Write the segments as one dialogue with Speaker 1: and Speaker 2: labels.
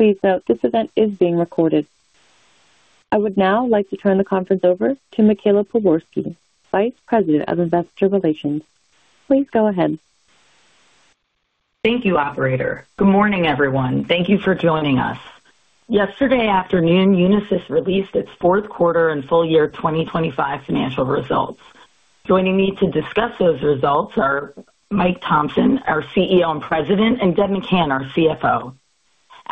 Speaker 1: Please note, this event is being recorded. I would now like to turn the conference over to Michaela Pewarski, Vice President of Investor Relations. Please go ahead.
Speaker 2: Thank you, operator. Good morning, everyone. Thank you for joining us. Yesterday afternoon, Unisys released its fourth quarter and full year 2025 financial results. Joining me to discuss those results are Mike Thomson, our CEO and President, and Deb McCann, our CFO.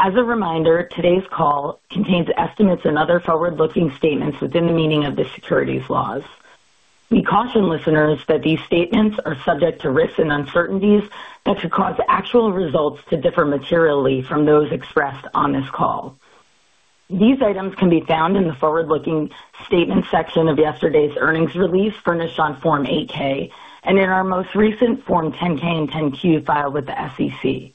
Speaker 2: As a reminder, today's call contains estimates and other forward-looking statements within the meaning of the securities laws. We caution listeners that these statements are subject to risks and uncertainties that could cause actual results to differ materially from those expressed on this call. These items can be found in the forward-looking statements section of yesterday's earnings release, furnished on Form 8-K, and in our most recent Form 10-K and 10-Q filed with the SEC.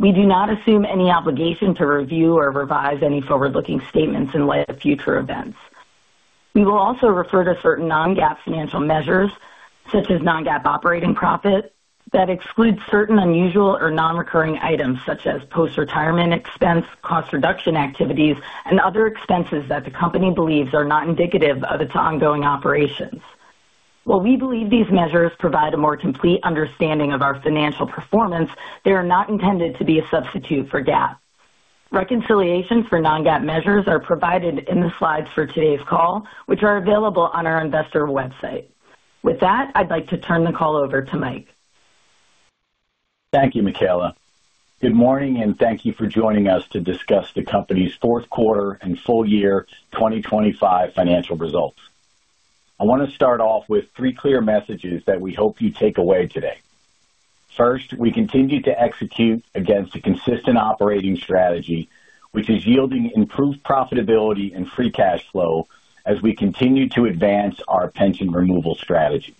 Speaker 2: We do not assume any obligation to review or revise any forward-looking statements in light of future events. We will also refer to certain non-GAAP financial measures, such as non-GAAP operating profit, that excludes certain unusual or non-recurring items, such as post-retirement expense, cost reduction activities, and other expenses that the company believes are not indicative of its ongoing operations. While we believe these measures provide a more complete understanding of our financial performance, they are not intended to be a substitute for GAAP. Reconciliation for non-GAAP measures are provided in the slides for today's call, which are available on our investor website. With that, I'd like to turn the call over to Mike.
Speaker 3: Thank you, Michaela. Good morning, and thank you for joining us to discuss the company's fourth quarter and full year 2025 financial results. I want to start off with three clear messages that we hope you take away today. First, we continue to execute against a consistent operating strategy, which is yielding improved profitability and free cash flow as we continue to advance our pension removal strategy.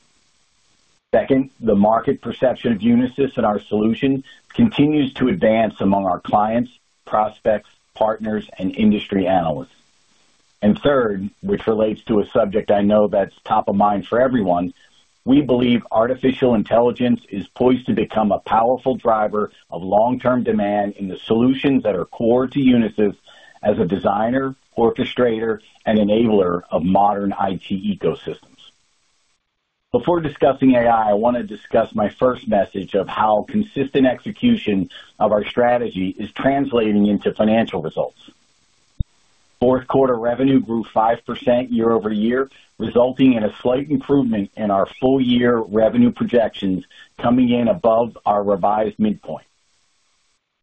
Speaker 3: Second, the market perception of Unisys and our solutions continues to advance among our clients, prospects, partners, and industry analysts. Third, which relates to a subject I know that's top of mind for everyone, we believe artificial intelligence is poised to become a powerful driver of long-term demand in the solutions that are core to Unisys as a designer, orchestrator, and enabler of modern IT ecosystems. Before discussing AI, I want to discuss my first message of how consistent execution of our strategy is translating into financial results. Fourth quarter revenue grew 5% year-over-year, resulting in a slight improvement in our full year revenue projections, coming in above our revised midpoint.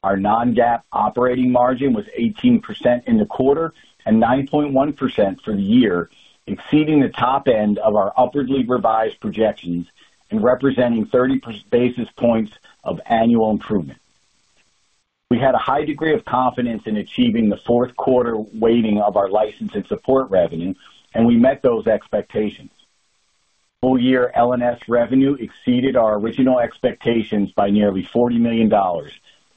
Speaker 3: Our non-GAAP operating margin was 18% in the quarter and 9.1% for the year, exceeding the top end of our upwardly revised projections and representing 30 basis points of annual improvement. We had a high degree of confidence in achieving the fourth quarter weighting of our license and support revenue, and we met those expectations. Full year L&S revenue exceeded our original expectations by nearly $40 million,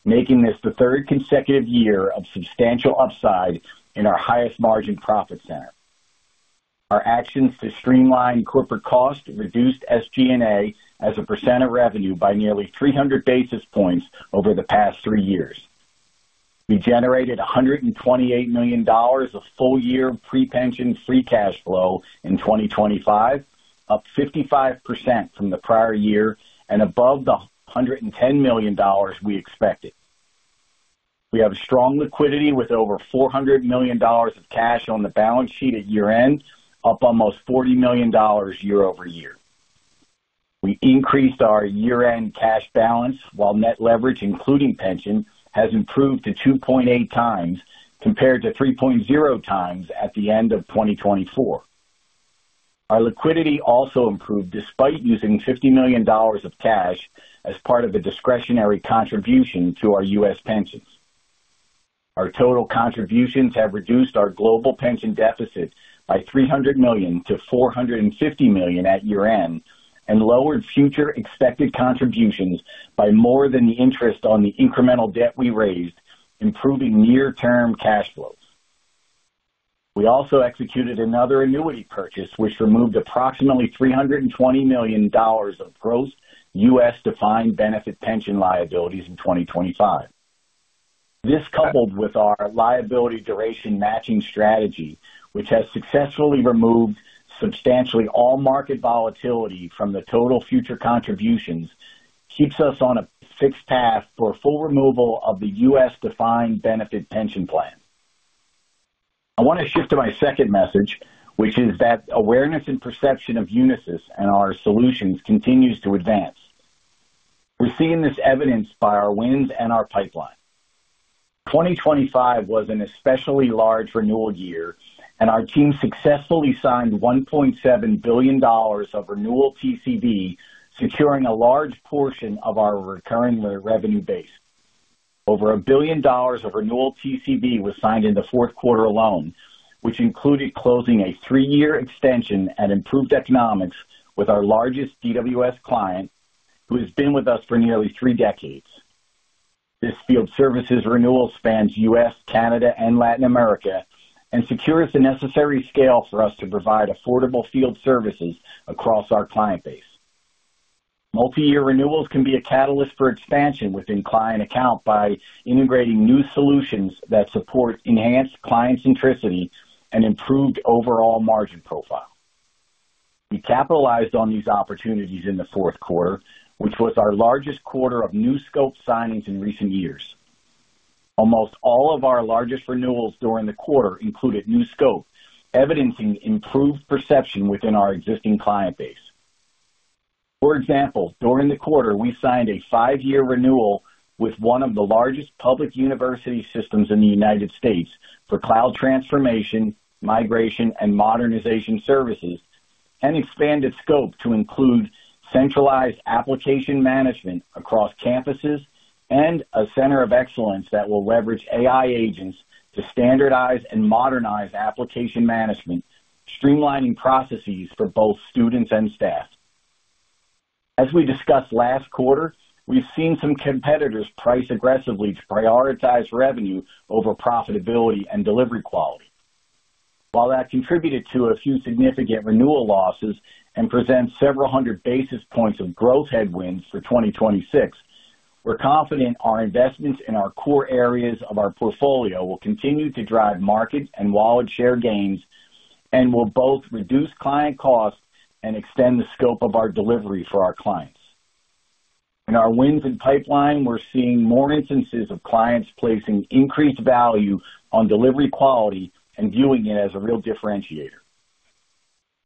Speaker 3: making this the third consecutive year of substantial upside in our highest margin profit center. Our actions to streamline corporate costs reduced SG&A as a percent of revenue by nearly 300 basis points over the past three years. We generated $128 million of full-year pre-pension free cash flow in 2025, up 55% from the prior year and above the $110 million we expected. We have strong liquidity with over $400 million of cash on the balance sheet at year-end, up almost $40 million year-over-year. We increased our year-end cash balance, while net leverage, including pension, has improved to 2.8x compared to 3.0x at the end of 2024. Our liquidity also improved despite using $50 million of cash as part of the discretionary contribution to our U.S. pensions. Our total contributions have reduced our global pension deficits by $300 million-$450 million at year-end, and lowered future expected contributions by more than the interest on the incremental debt we raised, improving near-term cash flows. We also executed another annuity purchase, which removed approximately $320 million of gross U.S. defined benefit pension liabilities in 2025. This, coupled with our liability duration matching strategy, which has successfully removed substantially all market volatility from the total future contributions, keeps us on a fixed path for full removal of the U.S. defined benefit pension plan. I want to shift to my second message, which is that awareness and perception of Unisys and our solutions continues to advance. We've seen this evidenced by our wins and our pipeline. 2025 was an especially large renewal year. Our team successfully signed $1.7 billion of renewal TCB, securing a large portion of our recurring revenue base. Over $1 billion of renewal TCB was signed in the fourth quarter alone, which included closing a three-year extension at improved economics with our largest DWS client, who has been with us for nearly three decades. This field services renewal spans U.S., Canada, and Latin America and secures the necessary scale for us to provide affordable field services across our client base. Multi-year renewals can be a catalyst for expansion within client accounts by integrating new solutions that support enhanced client centricity and improved overall margin profile. We capitalized on these opportunities in the fourth quarter, which was our largest quarter of new scope signings in recent years. Almost all of our largest renewals during the quarter included new scope, evidencing improved perception within our existing client base. For example, during the quarter, we signed a five-year renewal with one of the largest public university systems in the United States for cloud transformation, migration, and modernization services, and expanded scope to include centralized application management across campuses and a center of excellence that will leverage AI agents to standardize and modernize application management, streamlining processes for both students and staff. As we discussed last quarter, we've seen some competitors price aggressively to prioritize revenue over profitability and delivery quality. While that contributed to a few significant renewal losses and presents several hundred basis points of growth headwinds for 2026, we're confident our investments in our core areas of our portfolio will continue to drive market and wallet share gains, and will both reduce client costs and extend the scope of our delivery for our clients. In our wins and pipeline, we're seeing more instances of clients placing increased value on delivery quality and viewing it as a real differentiator.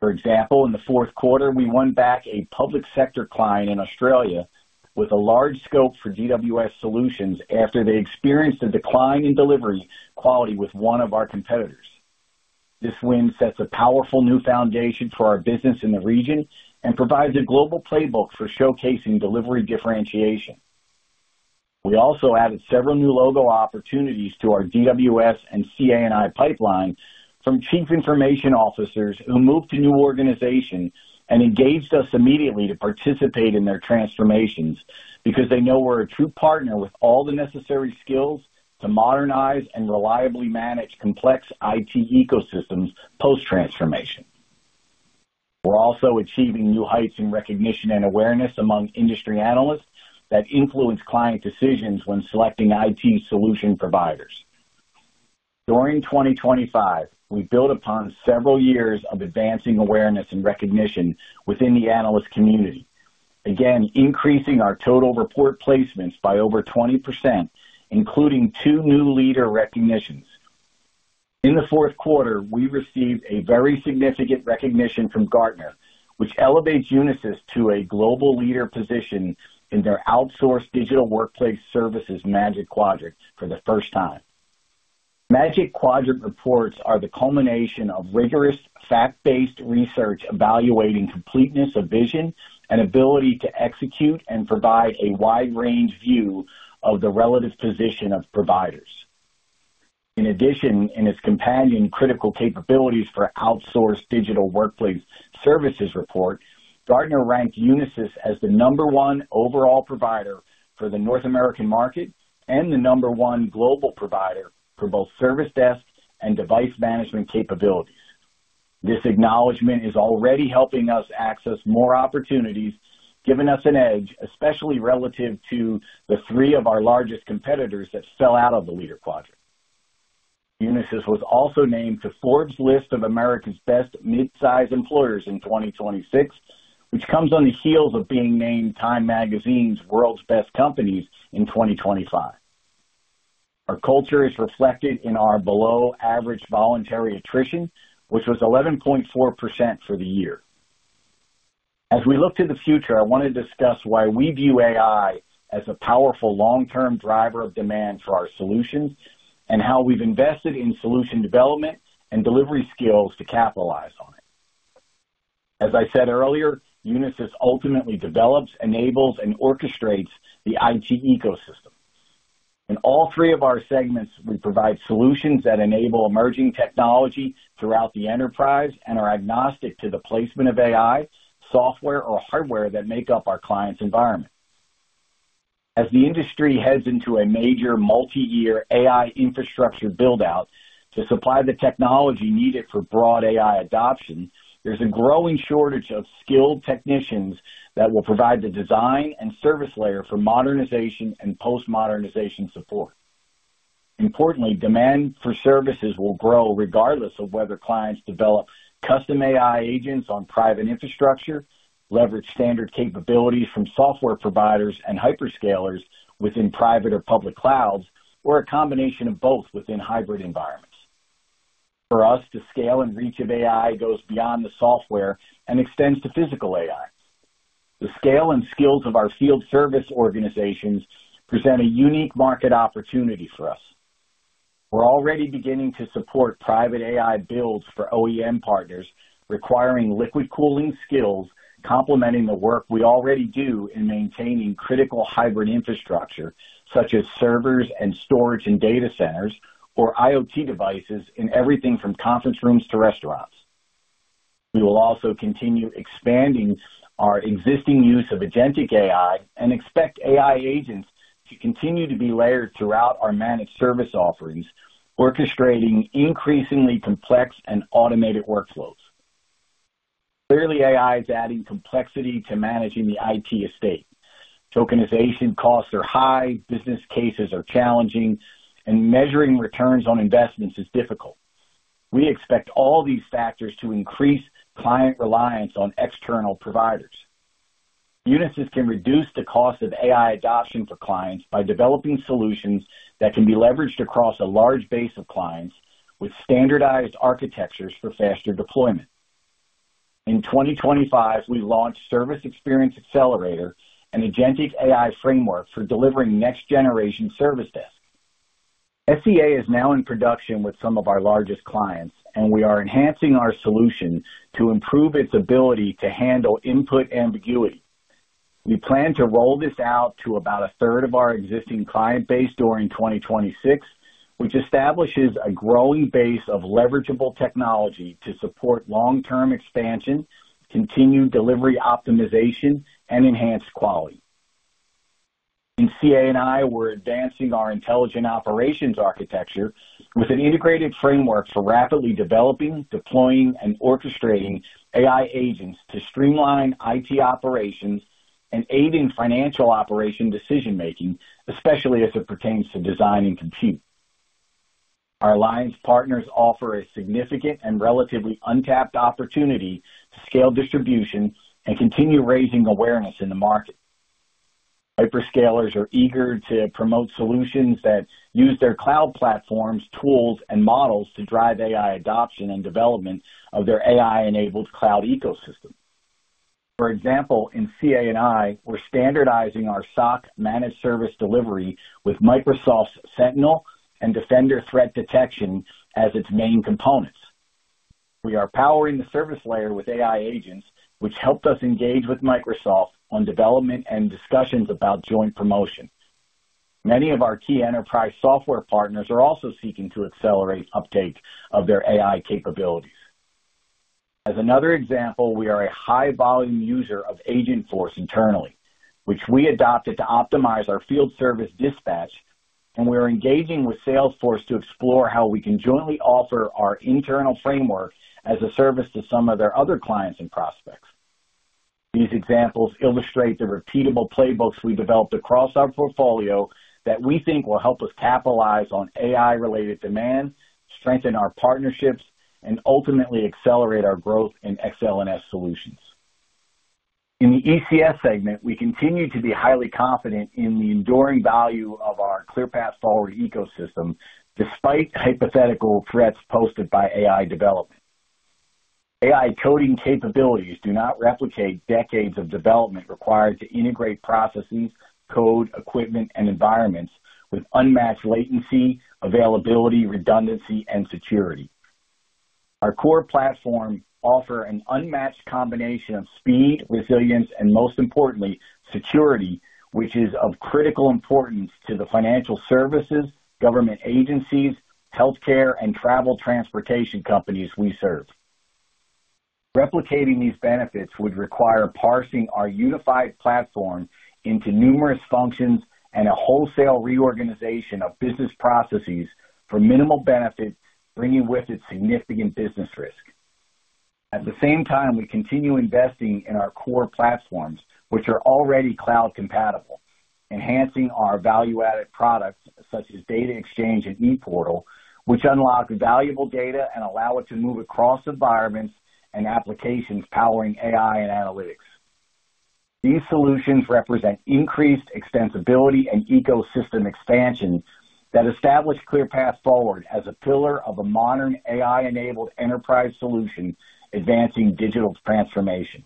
Speaker 3: For example, in the fourth quarter, we won back a public sector client in Australia with a large scope for DWS solutions after they experienced a decline in delivery quality with one of our competitors. This win sets a powerful new foundation for our business in the region and provides a global playbook for showcasing delivery differentiation. We also added several new logo opportunities to our DWS and CA&I pipeline from chief information officers who moved to new organizations and engaged us immediately to participate in their transformations because they know we're a true partner with all the necessary skills to modernize and reliably manage complex IT ecosystems post-transformation. We're also achieving new heights in recognition and awareness among industry analysts that influence client decisions when selecting IT solution providers. During 2025, we built upon several years of advancing awareness and recognition within the analyst community, again, increasing our total report placements by over 20%, including two new leader recognitions. In the fourth quarter, we received a very significant recognition from Gartner, which elevates Unisys to a global leader position in their Outsourced Digital Workplace Services Magic Quadrant for the first time. Magic Quadrant reports are the culmination of rigorous, fact-based research evaluating completeness of vision and ability to execute and provide a wide-range view of the relative position of providers. In addition, in its companion Critical Capabilities for Outsourced Digital Workplace Services report, Gartner ranked Unisys as the number one overall provider for the North American market and the number one global provider for both service desk and device management capabilities. This acknowledgment is already helping us access more opportunities, giving us an edge, especially relative to the three of our largest competitors that fell out of the Leader Quadrant. Unisys was also named to Forbes list of America's Best Midsize Employers in 2026, which comes on the heels of being named Time Magazine's World's Best Companies in 2025. Our culture is reflected in our below-average voluntary attrition, which was 11.4% for the year. As we look to the future, I want to discuss why we view AI as a powerful long-term driver of demand for our solutions, and how we've invested in solution development and delivery skills to capitalize on it. As I said earlier, Unisys ultimately develops, enables, and orchestrates the IT ecosystem. In all three of our segments, we provide solutions that enable emerging technology throughout the enterprise and are agnostic to the placement of AI, software, or hardware that make up our clients' environment. As the industry heads into a major multiyear AI infrastructure build-out to supply the technology needed for broad AI adoption, there's a growing shortage of skilled technicians that will provide the design and service layer for modernization and post-modernization support. Importantly, demand for services will grow regardless of whether clients develop custom AI agents on private infrastructure, leverage standard capabilities from software providers and hyperscalers within private or public clouds, or a combination of both within hybrid environments. For us, the scale and reach of AI goes beyond the software and extends to physical AI. The scale and skills of our field service organizations present a unique market opportunity for us. We're already beginning to support private AI builds for OEM partners, requiring liquid cooling skills, complementing the work we already do in maintaining critical hybrid infrastructure, such as servers and storage and data centers, or IoT devices in everything from conference rooms to restaurants. We will also continue expanding our existing use of agentic AI and expect AI agents to continue to be layered throughout our managed service offerings, orchestrating increasingly complex and automated workflows. AI is adding complexity to managing the IT estate. Tokenization costs are high, business cases are challenging, and measuring returns on investments is difficult. We expect all these factors to increase client reliance on external providers. Unisys can reduce the cost of AI adoption for clients by developing solutions that can be leveraged across a large base of clients with standardized architectures for faster deployment. In 2025, we launched Service Experience Accelerator, an agentic AI framework for delivering Next-Generation Service Desk. SEA is now in production with some of our largest clients, and we are enhancing our solution to improve its ability to handle input ambiguity. We plan to roll this out to about a third of our existing client base during 2026, which establishes a growing base of leverageable technology to support long-term expansion, continued delivery optimization, and enhanced quality. In CA&I, we're advancing our intelligent operations architecture with an integrated framework for rapidly developing, deploying, and orchestrating AI agents to streamline IT operations and aiding financial operation decision-making, especially as it pertains to design and compute. Our alliance partners offer a significant and relatively untapped opportunity to scale distribution and continue raising awareness in the market. Hyperscalers are eager to promote solutions that use their cloud platforms, tools, and models to drive AI adoption and development of their AI-enabled cloud ecosystem. For example, in CA&I, we're standardizing our SOC managed service delivery with Microsoft Sentinel and Defender threat detection as its main components. We are powering the service layer with AI agents, which helped us engage with Microsoft on development and discussions about joint promotion. Many of our key enterprise software partners are also seeking to accelerate uptake of their AI capabilities. As another example, we are a high-volume user of Agentforce internally, which we adopted to optimize our field service dispatch, and we are engaging with Salesforce to explore how we can jointly offer our internal framework as a service to some of their other clients and prospects. These examples illustrate the repeatable playbooks we developed across our portfolio that we think will help us capitalize on AI-related demand, strengthen our partnerships, and ultimately accelerate our growth in Ex-L&S solutions. In the ECS segment, we continue to be highly confident in the enduring value of our ClearPath Forward ecosystem, despite hypothetical threats posted by AI development. AI coding capabilities do not replicate decades of development required to integrate processes, code, equipment, and environments with unmatched latency, availability, redundancy, and security. Our core platforms offer an unmatched combination of speed, resilience, and most importantly, security, which is of critical importance to the financial services, government agencies, healthcare, and travel transportation companies we serve. Replicating these benefits would require parsing our unified platform into numerous functions and a wholesale reorganization of business processes for minimal benefit, bringing with it significant business risk. At the same time, we continue investing in our core platforms, which are already cloud-compatible, enhancing our value-added products, such as Data Exchange and ePortal, which unlock valuable data and allow it to move across environments and applications powering AI and analytics. These solutions represent increased extensibility and ecosystem expansion that establish ClearPath Forward as a pillar of a modern AI-enabled enterprise solution advancing digital transformation.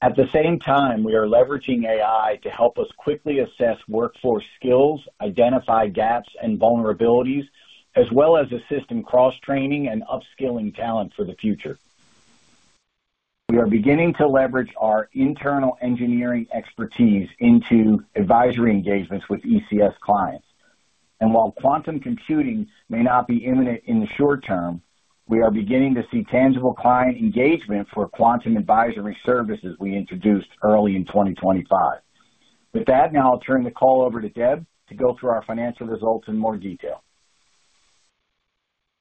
Speaker 3: At the same time, we are leveraging AI to help us quickly assess workforce skills, identify gaps and vulnerabilities, as well as assist in cross-training and upskilling talent for the future. We are beginning to leverage our internal engineering expertise into advisory engagements with ECS clients. While quantum computing may not be imminent in the short term, we are beginning to see tangible client engagement for quantum advisory services we introduced early in 2025. With that, now I'll turn the call over to Deb to go through our financial results in more detail.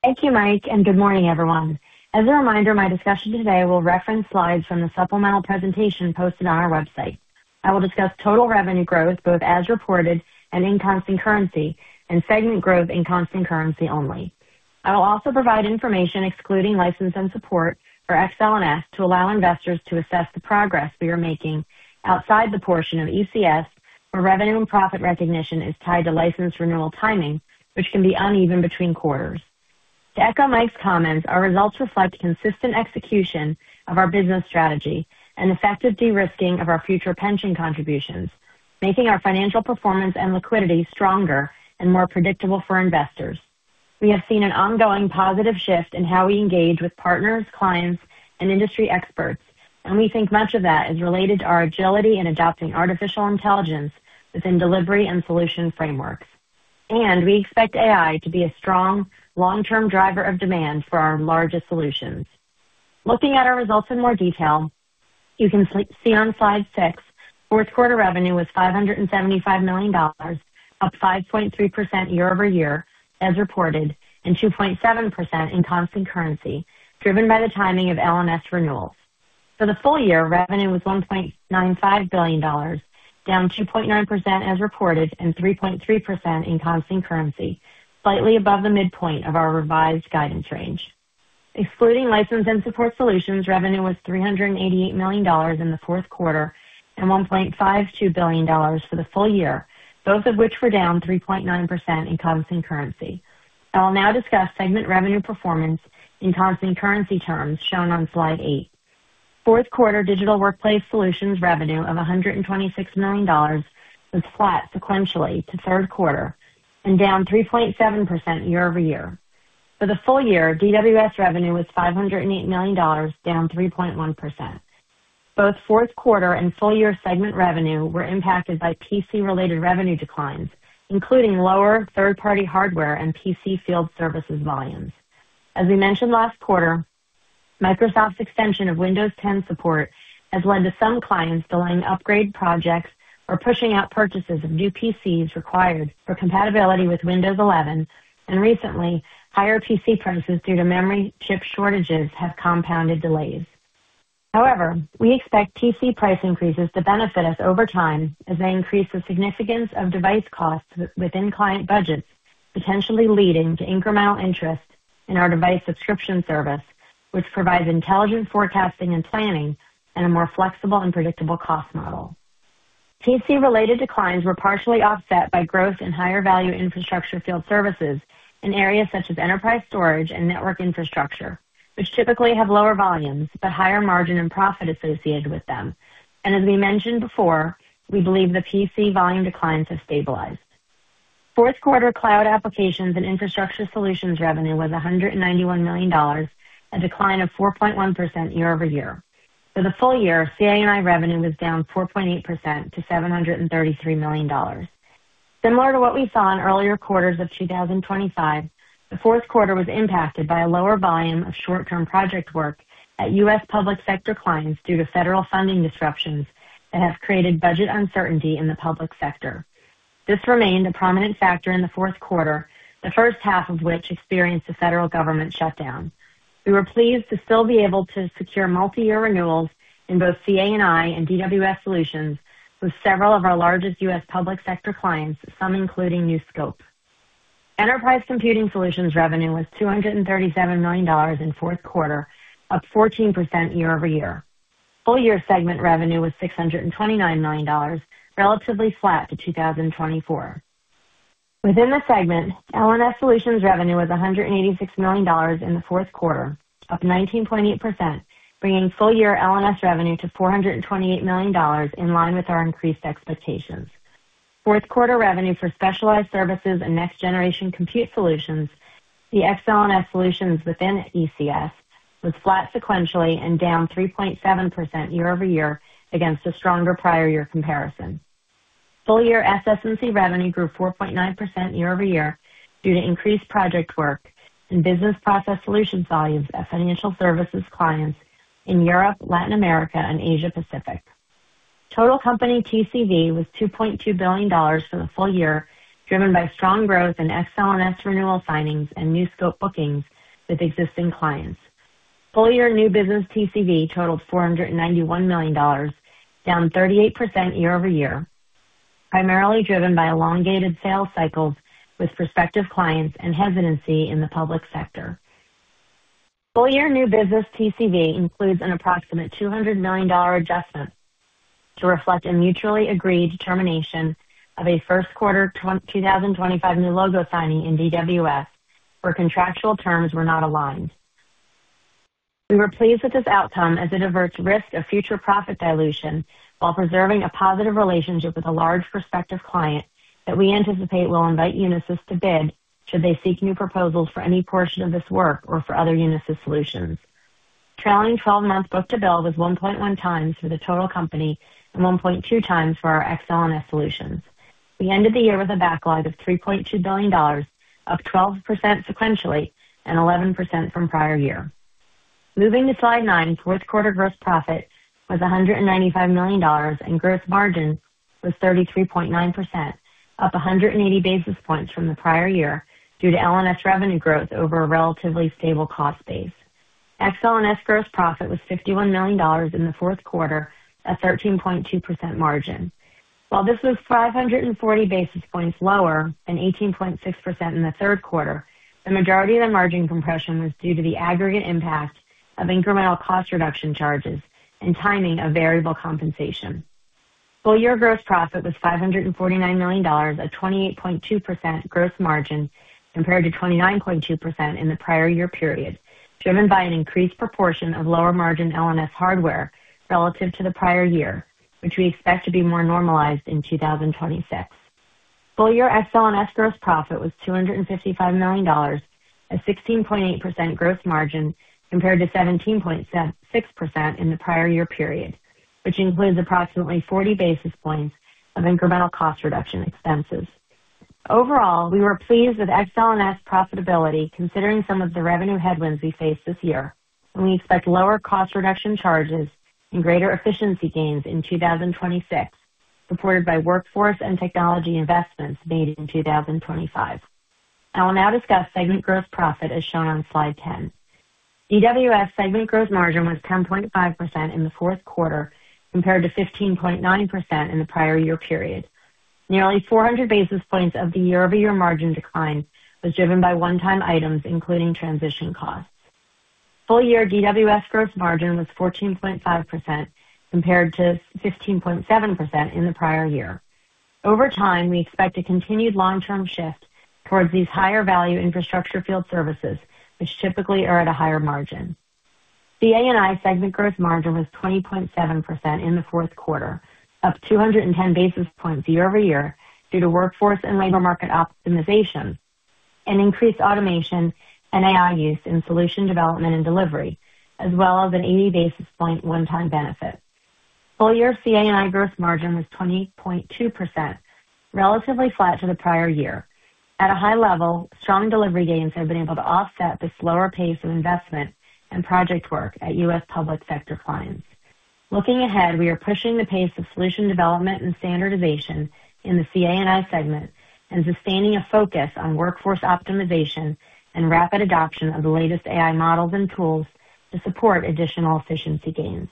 Speaker 4: Thank you, Mike. Good morning, everyone. As a reminder, my discussion today will reference slides from the supplemental presentation posted on our website. I will discuss total revenue growth, both as reported and in constant currency, and segment growth in constant currency only. I will also provide information excluding license and support for Ex-L&S to allow investors to assess the progress we are making outside the portion of ECS, where revenue and profit recognition is tied to license renewal timing, which can be uneven between quarters. To echo Mike's comments, our results reflect consistent execution of our business strategy and effective de-risking of our future pension contributions, making our financial performance and liquidity stronger and more predictable for investors. We have seen an ongoing positive shift in how we engage with partners, clients, and industry experts. We think much of that is related to our agility in adopting artificial intelligence within delivery and solution frameworks. We expect AI to be a strong long-term driver of demand for our largest solutions. Looking at our results in more detail. You can see on Slide 6, fourth quarter revenue was $575 million, up 5.3% year-over-year, as reported, and 2.7% in constant currency, driven by the timing of L&S renewals. For the full year, revenue was $1.95 billion, down 2.9% as reported, and 3.3% in constant currency, slightly above the midpoint of our revised guidance range. Excluding License and Support solutions, revenue was $388 million in the fourth quarter and $1.52 billion for the full year, both of which were down 3.9% in constant currency. I will now discuss segment revenue performance in constant currency terms, shown on Slide 8. Fourth quarter Digital Workplace Solutions revenue of $126 million was flat sequentially to third quarter and down 3.7% year-over-year. For the full year, DWS revenue was $508 million, down 3.1%. Both fourth quarter and full year segment revenue were impacted by PC-related revenue declines, including lower third-party hardware and PC field services volumes. As we mentioned last quarter, Microsoft's extension of Windows 10 support has led to some clients delaying upgrade projects or pushing out purchases of new PCs required for compatibility with Windows 11. Recently, higher PC prices due to memory chip shortages have compounded delays. However, we expect PC price increases to benefit us over time as they increase the significance of device costs within client budgets, potentially leading to incremental interest in our Device Subscription Service, which provides intelligent forecasting and planning and a more flexible and predictable cost model. PC-related declines were partially offset by growth in higher value infrastructure field services in areas such as enterprise storage and network infrastructure, which typically have lower volumes, but higher margin and profit associated with them. As we mentioned before, we believe the PC volume declines have stabilized. Fourth quarter Cloud, Applications & Infrastructure Solutions revenue was $191 million, a decline of 4.1% year-over-year. For the full year, CA&I revenue was down 4.8% to $733 million. Similar to what we saw in earlier quarters of 2025, the fourth quarter was impacted by a lower volume of short-term project work at U.S. public sector clients due to federal funding disruptions that have created budget uncertainty in the public sector. This remained a prominent factor in the fourth quarter, the first half of which experienced a federal government shutdown. We were pleased to still be able to secure multiyear renewals in both CA&I and DWS solutions with several of our largest U.S. public sector clients, some including new scope. Enterprise Computing Solutions revenue was $237 million in fourth quarter, up 14% year-over-year. Full year segment revenue was $629 million, relatively flat to 2024. Within the segment, L&S Solutions revenue was $186 million in the fourth quarter, up 19.8%, bringing full year L&S revenue to $428 million, in line with our increased expectations. Fourth quarter revenue for Specialized Services and Next-Generation Compute solutions, the Ex-L&S Solutions within ECS, was flat sequentially and down 3.7% year-over-year against a stronger prior year comparison. Full year SS&C revenue grew 4.9% year-over-year due to increased project work and business process solutions volumes at financial services clients in Europe, Latin America, and Asia Pacific. Total company TCV was $2.2 billion for the full year, driven by strong growth in Ex-L&S renewal signings and new scope bookings with existing clients. Full year New Business TCV totaled $491 million, down 38% year-over-year, primarily driven by elongated sales cycles with prospective clients and hesitancy in the public sector. Full year New Business TCV includes an approximate $200 million adjustment to reflect a mutually agreed termination of a first quarter 2025 new logo signing in DWS, where contractual terms were not aligned. We were pleased with this outcome as it averts risk of future profit dilution while preserving a positive relationship with a large prospective client that we anticipate will invite Unisys to bid should they seek new proposals for any portion of this work or for other Unisys solutions. Trailing twelve-month book-to-bill was 1.1x for the total company and 1.2x for our Ex-L&S solutions. We ended the year with a backlog of $3.2 billion, up 12% sequentially and 11% from prior year. Moving to Slide 9. Fourth quarter gross profit was $195 million, and gross margin was 33.9%, up 180 basis points from the prior year due to L&S revenue growth over a relatively stable cost base. Ex-L&S gross profit was $51 million in the fourth quarter, a 13.2% margin. This was 540 basis points lower than 18.6% in the third quarter, the majority of the margin compression was due to the aggregate impact of incremental cost reduction charges and timing of variable compensation. Full year gross profit was $549 million, a 28.2% gross margin, compared to 29.2% in the prior year period, driven by an increased proportion of lower margin L&S hardware relative to the prior year, which we expect to be more normalized in 2026. Full year Ex-L&S gross profit was $255 million, a 16.8% gross margin, compared to 17.6% in the prior year period, which includes approximately 40 basis points of incremental cost reduction expenses. Overall, we were pleased with L&S profitability, considering some of the revenue headwinds we faced this year, and we expect lower cost reduction charges and greater efficiency gains in 2026, supported by workforce and technology investments made in 2025. I will now discuss segment gross profit, as shown on Slide 10. DWS segment gross margin was 10.5% in the fourth quarter, compared to 15.9% in the prior year period. Nearly 400 basis points of the year-over-year margin decline was driven by one-time items, including transition costs. Full year DWS gross margin was 14.5%, compared to 15.7% in the prior year. Over time, we expect a continued long-term shift towards these higher value infrastructure field services, which typically are at a higher margin. CA&I segment gross margin was 20.7% in the fourth quarter, up 210 basis points year-over-year, due to workforce and labor market optimization and increased automation and AI use in solution development and delivery, as well as an 80 basis point one-time benefit. Full year CA&I gross margin was 20.2%, relatively flat to the prior year. At a high level, strong delivery gains have been able to offset the slower pace of investment and project work at U.S. public sector clients. Looking ahead, we are pushing the pace of solution development and standardization in the CA&I segment and sustaining a focus on workforce optimization and rapid adoption of the latest AI models and tools to support additional efficiency gains.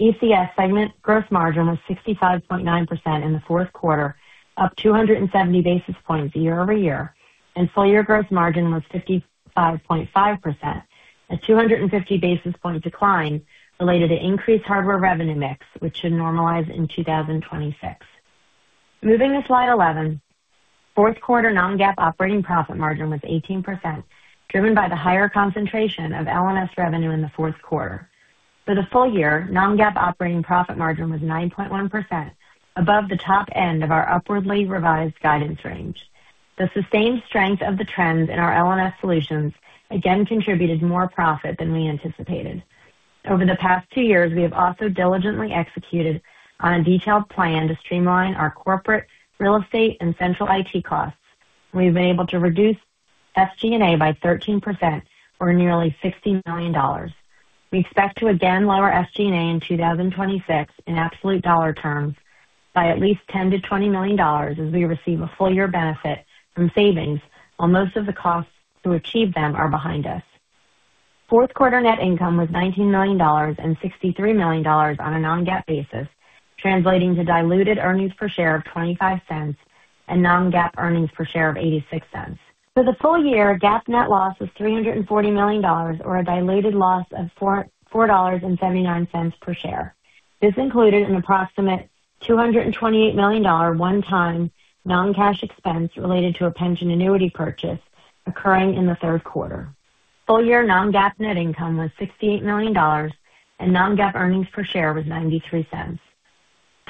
Speaker 4: ECS segment gross margin was 65.9% in the fourth quarter, up 270 basis points year-over-year, and full year gross margin was 55.5%, a 250 basis point decline related to increased hardware revenue mix, which should normalize in 2026. Moving to Slide 11. Fourth quarter non-GAAP operating profit margin was 18%, driven by the higher concentration of L&S revenue in the fourth quarter. For the full year, non-GAAP operating profit margin was 9.1%, above the top end of our upwardly revised guidance range. The sustained strength of the trends in our L&S solutions again contributed more profit than we anticipated. Over the past two years, we have also diligently executed on a detailed plan to streamline our corporate real estate and central IT costs. We've been able to reduce SG&A by 13% or nearly $60 million. We expect to again lower SG&A in 2026 in absolute dollar terms by at least $10 million-$20 million as we receive a full year benefit from savings, while most of the costs to achieve them are behind us. Fourth quarter net income was $19 million and $63 million on a non-GAAP basis, translating to diluted earnings per share of $0.25 and non-GAAP earnings per share of $0.86. For the full year, GAAP net loss was $340 million, or a diluted loss of $4.79 per share. This included an approximate $228 million one-time non-cash expense related to a pension annuity purchase occurring in the third quarter. Full year non-GAAP net income was $68 million, and non-GAAP earnings per share was $0.93.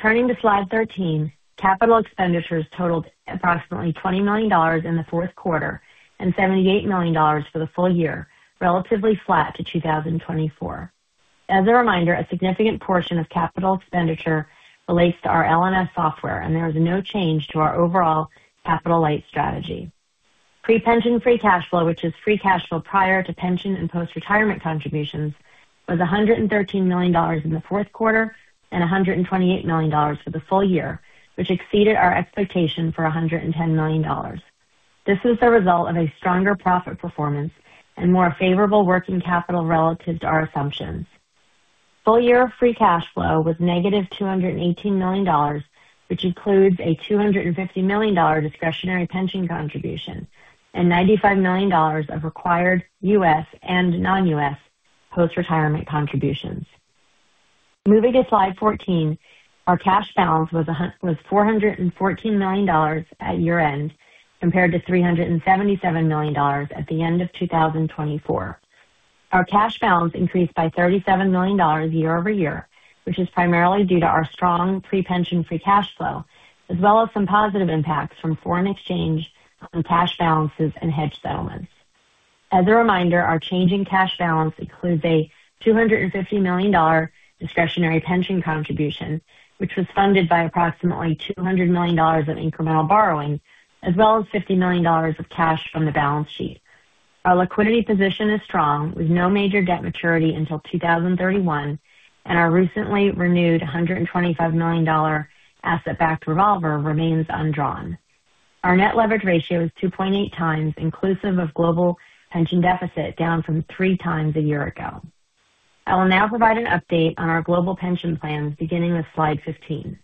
Speaker 4: Turning to Slide 13, capital expenditures totaled approximately $20 million in the fourth quarter and $78 million for the full year, relatively flat to 2024. As a reminder, a significant portion of capital expenditure relates to our L&S software, and there is no change to our overall capital-light strategy. Pre-pension free cash flow, which is free cash flow prior to pension and post-retirement contributions, was $113 million in the fourth quarter and $128 million for the full year, which exceeded our expectation for $110 million. This is the result of a stronger profit performance and more favorable working capital relative to our assumptions. Full year free cash flow was -$218 million, which includes a $250 million discretionary pension contribution and $95 million of required U.S. and non-U.S. post-retirement contributions. Moving to Slide 14. Our cash balance was $414 million at year-end, compared to $377 million at the end of 2024. Our cash balance increased by $37 million year-over-year, which is primarily due to our strong pre-pension free cash flow, as well as some positive impacts from foreign exchange on cash balances and hedge settlements. As a reminder, our change in cash balance includes a $250 million discretionary pension contribution, which was funded by approximately $200 million of incremental borrowing, as well as $50 million of cash from the balance sheet. Our liquidity position is strong, with no major debt maturity until 2031, and our recently renewed $125 million asset-backed revolver remains undrawn. Our net leverage ratio is 2.8x, inclusive of global pension deficit, down from 3x a year ago. I will now provide an update on our global pension plans beginning with Slide 15.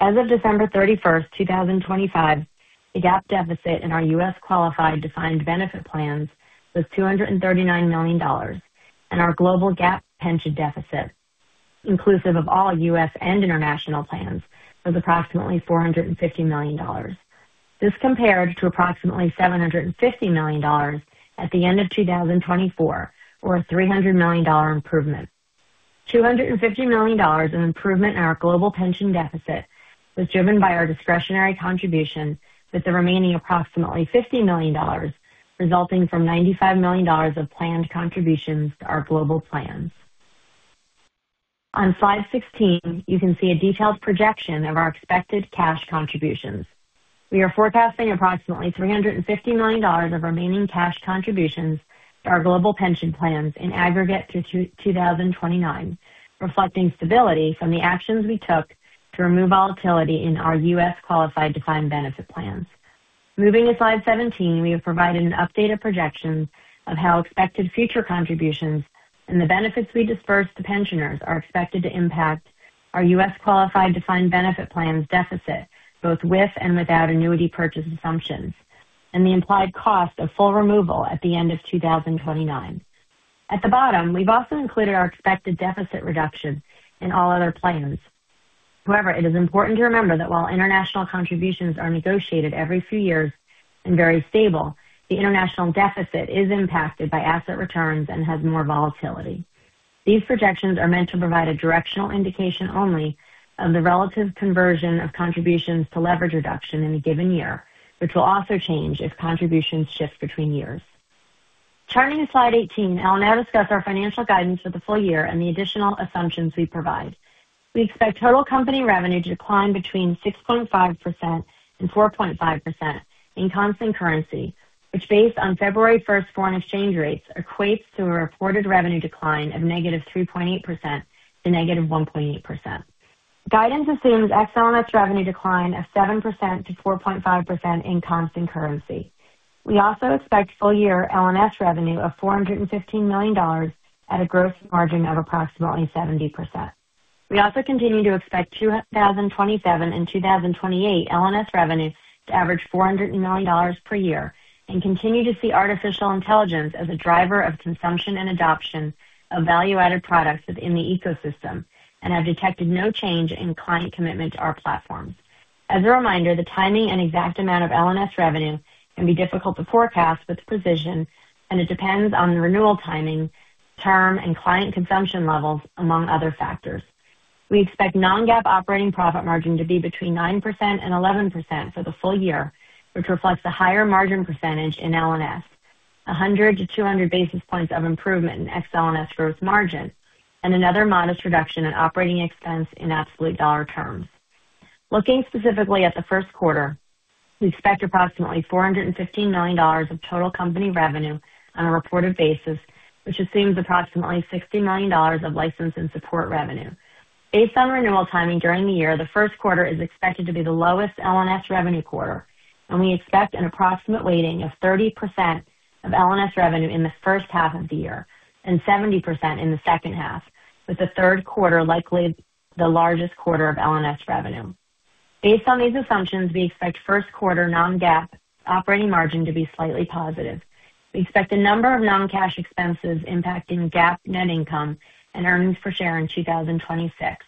Speaker 4: As of December 31st, 2025, the GAAP deficit in our U.S. qualified defined benefit plans was $239 million, and our global GAAP pension deficit, inclusive of all U.S. and international plans, was approximately $450 million. This compared to approximately $750 million at the end of 2024, or a $300 million improvement. $250 million in improvement in our global pension deficit was driven by our discretionary contribution, with the remaining approximately $50 million resulting from $95 million of planned contributions to our global plans. On Slide 16, you can see a detailed projection of our expected cash contributions. We are forecasting approximately $350 million of remaining cash contributions to our global pension plans in aggregate through 2029, reflecting stability from the actions we took to remove volatility in our U.S. qualified defined benefit plans. Moving to Slide 17, we have provided an updated projection of how expected future contributions and the benefits we disperse to pensioners are expected to impact our U.S. qualified defined benefit plans deficit, both with and without annuity purchase assumptions, and the implied cost of full removal at the end of 2029. At the bottom, we've also included our expected deficit reduction in all other plans. It is important to remember that while international contributions are negotiated every few years and very stable, the international deficit is impacted by asset returns and has more volatility. These projections are meant to provide a directional indication only of the relative conversion of contributions to leverage reduction in a given year, which will also change if contributions shift between years. Turning to Slide 18, I'll now discuss our financial guidance for the full year and the additional assumptions we provide. We expect total company revenue to decline between 6.5% and 4.5% in constant currency, which, based on February 1st foreign exchange rates, equates to a reported revenue decline of -3.8% to -1.8%. Guidance assumes Ex-L&S revenue decline of 7% to 4.5% in constant currency. We also expect full year L&S revenue of $415 million at a growth margin of approximately 70%. We also continue to expect 2027 and 2028 L&S revenue to average $400 million per year and continue to see artificial intelligence as a driver of consumption and adoption of value-added products within the ecosystem and have detected no change in client commitment to our platform. As a reminder, the timing and exact amount of L&S revenue can be difficult to forecast with precision, and it depends on the renewal timing, term, and client consumption levels, among other factors. We expect non-GAAP operating profit margin to be between 9% and 11% for the full year, which reflects a higher margin percentage in L&S, 100 basis points to 200 basis points of improvement in Ex-L&S growth margin, and another modest reduction in operating expense in absolute dollar terms. Looking specifically at the first quarter, we expect approximately $450 million of total company revenue on a reported basis, which assumes approximately $60 million of license and support revenue. Based on renewal timing during the year, the first quarter is expected to be the lowest L&S revenue quarter, and we expect an approximate weighting of 30% of L&S revenue in the first half of the year and 70% in the second half, with the third quarter likely the largest quarter of L&S revenue. Based on these assumptions, we expect first quarter non-GAAP operating margin to be slightly positive. We expect a number of non-cash expenses impacting GAAP net income and earnings per share in 2026,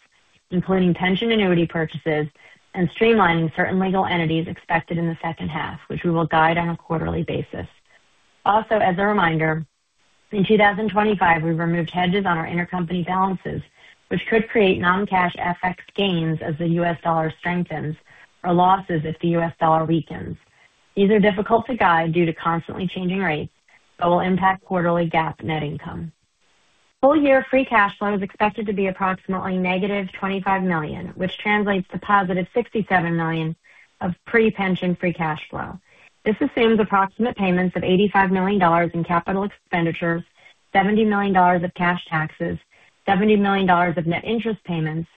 Speaker 4: including pension annuity purchases and streamlining certain legal entities expected in the second half, which we will guide on a quarterly basis. As a reminder, in 2025, we've removed hedges on our intercompany balances, which could create non-cash FX gains as the U.S. dollar strengthens or losses if the U.S. dollar weakens. These are difficult to guide due to constantly changing rates but will impact quarterly GAAP net income. Full year free cash flow is expected to be approximately -$25 million, which translates to positive $67 million of pre-pension free cash flow. This assumes approximate payments of $85 million in capital expenditures, $70 million of cash taxes, $70 million of net interest payments,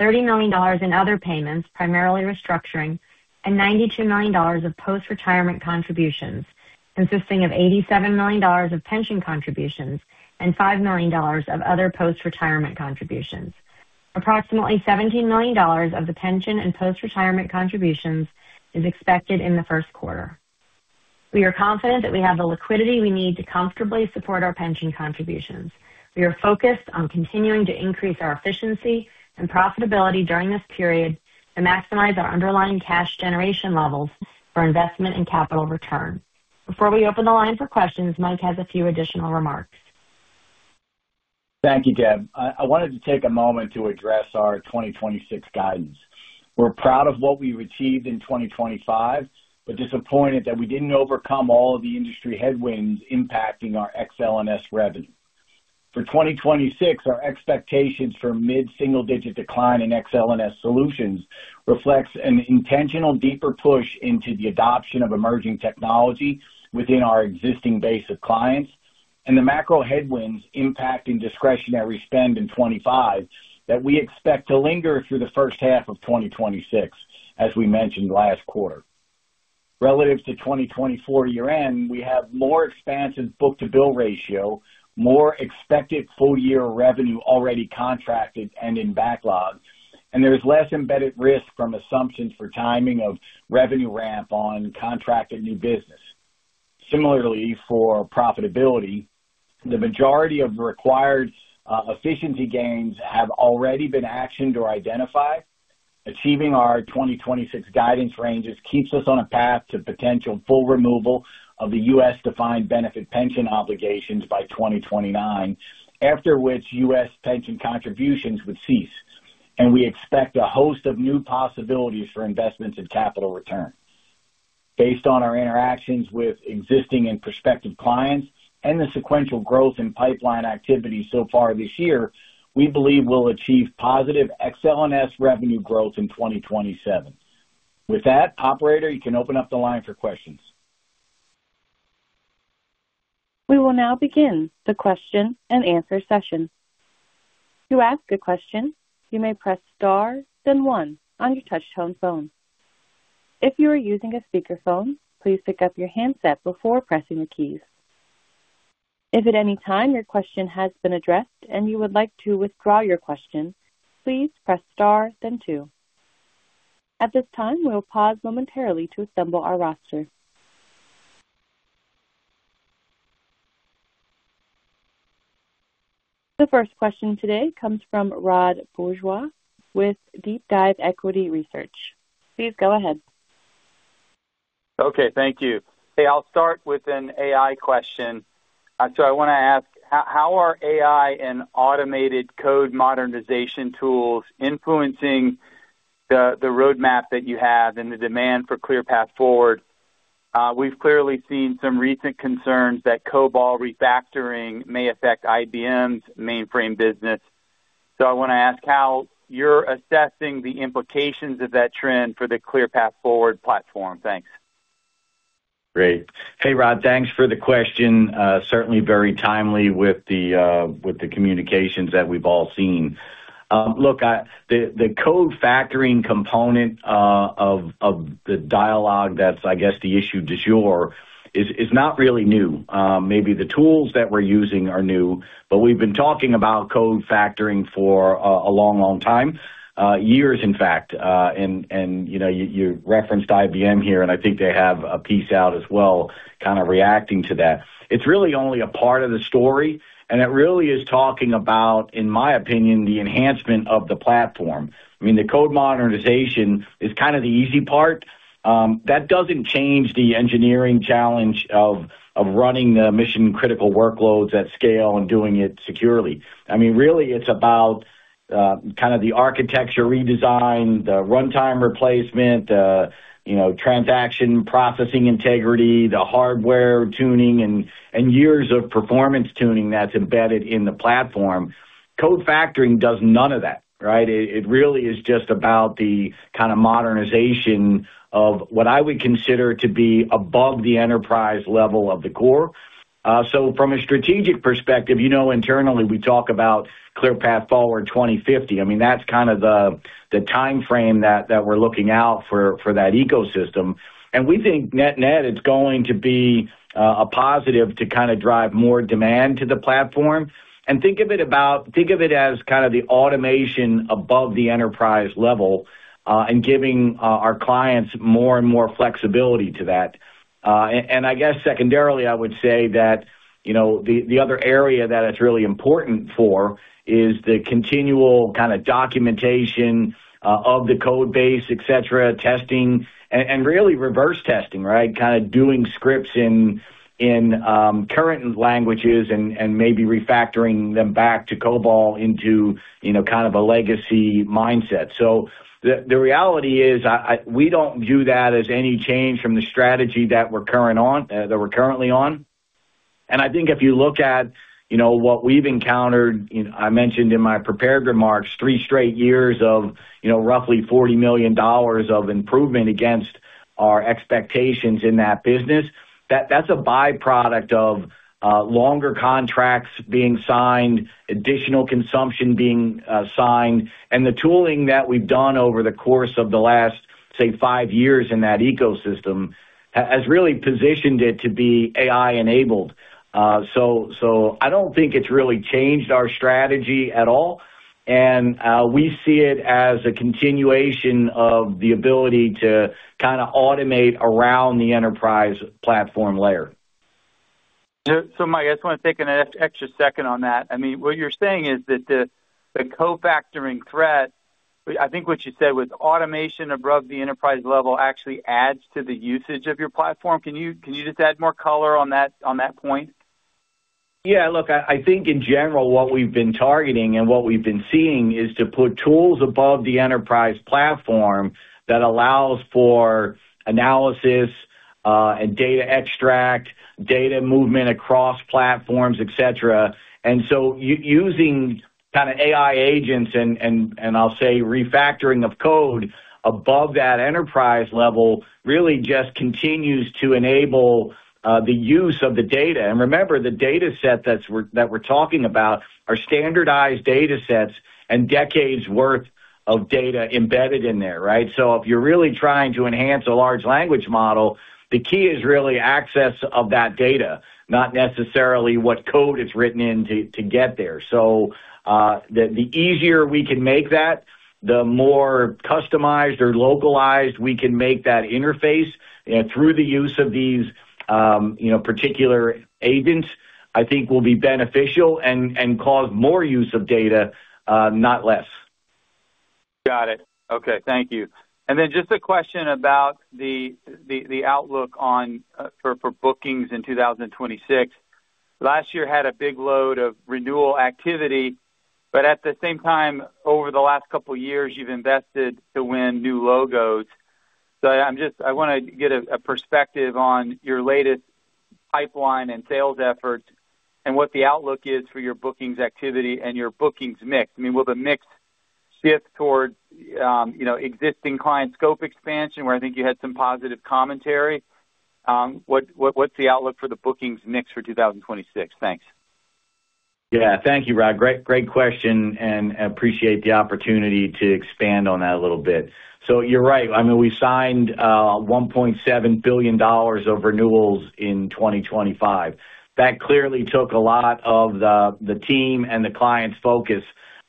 Speaker 4: $30 million in other payments, primarily restructuring, and $92 million of post-retirement contributions, consisting of $87 million of pension contributions and $5 million of other post-retirement contributions. Approximately $17 million of the pension and post-retirement contributions is expected in the first quarter. We are confident that we have the liquidity we need to comfortably support our pension contributions. We are focused on continuing to increase our efficiency and profitability during this period to maximize our underlying cash generation levels for investment and capital return. Before we open the line for questions, Mike has a few additional remarks.
Speaker 3: Thank you, Deb. I wanted to take a moment to address our 2026 guidance. We're proud of what we've achieved in 2025, disappointed that we didn't overcome all of the industry headwinds impacting our Ex-L&S revenue. For 2026, our expectations for mid-single-digit decline in Ex-L&S solutions reflects an intentional deeper push into the adoption of emerging technology within our existing base of clients and the macro headwinds impacting discretionary spend in 2025 that we expect to linger through the first half of 2026, as we mentioned last quarter. Relative to 2024 year-end, we have more expansive book-to-bill ratio, more expected full-year revenue already contracted and in backlog, there's less embedded risk from assumptions for timing of revenue ramp on contracted new business. Similarly, for profitability, the majority of the required efficiency gains have already been actioned or identified. Achieving our 2026 guidance ranges keeps us on a path to potential full removal of the U.S. defined benefit pension obligations by 2029, after which U.S. pension contributions would cease, and we expect a host of new possibilities for investments in capital return. Based on our interactions with existing and prospective clients and the sequential growth in pipeline activity so far this year, we believe we'll achieve positive Ex-L&S revenue growth in 2027. With that, operator, you can open up the line for questions.
Speaker 1: We will now begin the question-and-answer session. To ask a question, you may press star, then one on your touchtone phone. If you are using a speakerphone, please pick up your handset before pressing your keys. If at any time your question has been addressed and you would like to withdraw your question, please press star then two. At this time, we'll pause momentarily to assemble our roster. The first question today comes from Rod Bourgeois with DeepDive Equity Research. Please go ahead.
Speaker 5: Okay, thank you. Hey, I'll start with an AI question. I want to ask, how are AI and automated code modernization tools influencing the roadmap that you have and the demand for ClearPath Forward? We've clearly seen some recent concerns that COBOL refactoring may affect IBM's mainframe business. I want to ask how you're assessing the implications of that trend for the ClearPath Forward platform. Thanks.
Speaker 3: Great. Hey, Rod, thanks for the question. Certainly very timely with the communications that we've all seen. Look, the code factoring component of the dialogue, that's, I guess, the issue du jour is not really new. Maybe the tools that we're using are new, we've been talking about code factoring for a long, long time, years, in fact. And, you know, you referenced IBM here, and I think they have a piece out as well, kind of reacting to that. It's really only a part of the story, and it really is talking about, in my opinion, the enhancement of the platform. I mean, the code modernization is kind of the easy part. That doesn't change the engineering challenge of running the mission-critical workloads at scale and doing it securely. I mean, really, it's about kind of the architecture redesign, the runtime replacement, you know, transaction processing integrity, the hardware tuning and years of performance tuning that's embedded in the platform. Code factoring does none of that, right? It really is just about the kind of modernization of what I would consider to be above the enterprise level of the core. From a strategic perspective, you know, internally we talk about ClearPath Forward 2050. I mean, that's kind of the timeframe that we're looking out for that ecosystem. We think net-net, it's going to be a positive to kind of drive more demand to the platform. Think of it as kind of the automation above the enterprise level and giving our clients more and more flexibility to that. I guess secondarily, I would say that, you know, the other area that it's really important for is the continual kind of documentation of the code base, et cetera, testing, and really reverse testing, right? Kind of doing scripts in current languages and maybe refactoring them back to COBOL into, you know, kind of a legacy mindset. The, the reality is, we don't view that as any change from the strategy that we're current on, that we're currently on. I think if you look at, you know, what we've encountered, you know, I mentioned in my prepared remarks, three straight years of, you know, roughly $40 million of improvement against our expectations in that business, that's a byproduct of, longer contracts being signed, additional consumption being signed. The tooling that we've done over the course of the last, say, five years in that ecosystem, has really positioned it to be AI-enabled. I don't think it's really changed our strategy at all. We see it as a continuation of the ability to kind of automate around the enterprise platform layer.
Speaker 5: Mike, I just want to take an extra second on that. I mean, what you're saying is that the code-factoring threat, I think what you said was automation above the enterprise level actually adds to the usage of your platform. Can you just add more color on that point?
Speaker 3: Yeah, look, I think in general, what we've been targeting and what we've been seeing is to put tools above the enterprise platform that allows for analysis, and data extract, data movement across platforms, et cetera. using kind of AI agents and I'll say, refactoring of code above that enterprise level, really just continues to enable the use of the data. remember, the dataset that's that we're talking about are standardized datasets and decades worth of data embedded in there, right? if you're really trying to enhance a large language model, the key is really access of that data, not necessarily what code is written in to get there. The easier we can make that, the more customized or localized we can make that interface and through the use of these, you know, particular agents, I think will be beneficial and cause more use of data, not less.
Speaker 5: Got it. Okay, thank you. Just a question about the outlook on for bookings in 2026. Last year had a big load of renewal activity, but at the same time, over the last couple of years, you've invested to win new logos. I want to get a perspective on your latest pipeline and sales efforts and what the outlook is for your bookings activity and your bookings mix. I mean, will the mix shift towards, you know, existing client scope expansion, where I think you had some positive commentary? What's the outlook for the bookings mix for 2026? Thanks.
Speaker 3: Thank you, Rod. Great question, I appreciate the opportunity to expand on that a little bit. You're right. I mean, we signed $1.7 billion of renewals in 2025. That clearly took a lot of the team and the client's focus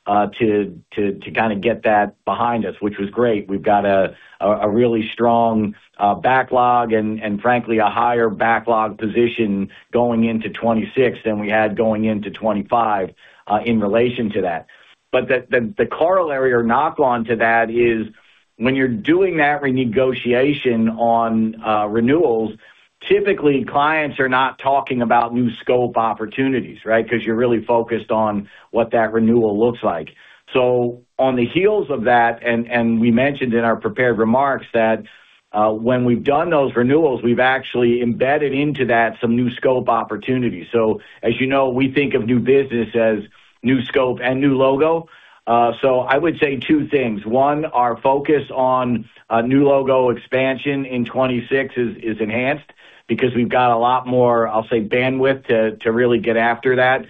Speaker 3: to kind of get that behind us, which was great. We've got a really strong backlog and frankly, a higher backlog position going into 2026 than we had going into 2025 in relation to that. The corollary or knock-on to that is, when you're doing that renegotiation on renewals, typically clients are not talking about new scope opportunities, right? You're really focused on what that renewal looks like. On the heels of that, and we mentioned in our prepared remarks that when we've done those renewals, we've actually embedded into that some new scope opportunities. As you know, we think of New Business as new scope and new logo. I would say two things: One, our focus on new logo expansion in 2026 is enhanced because we've got a lot more, I'll say, bandwidth to really get after that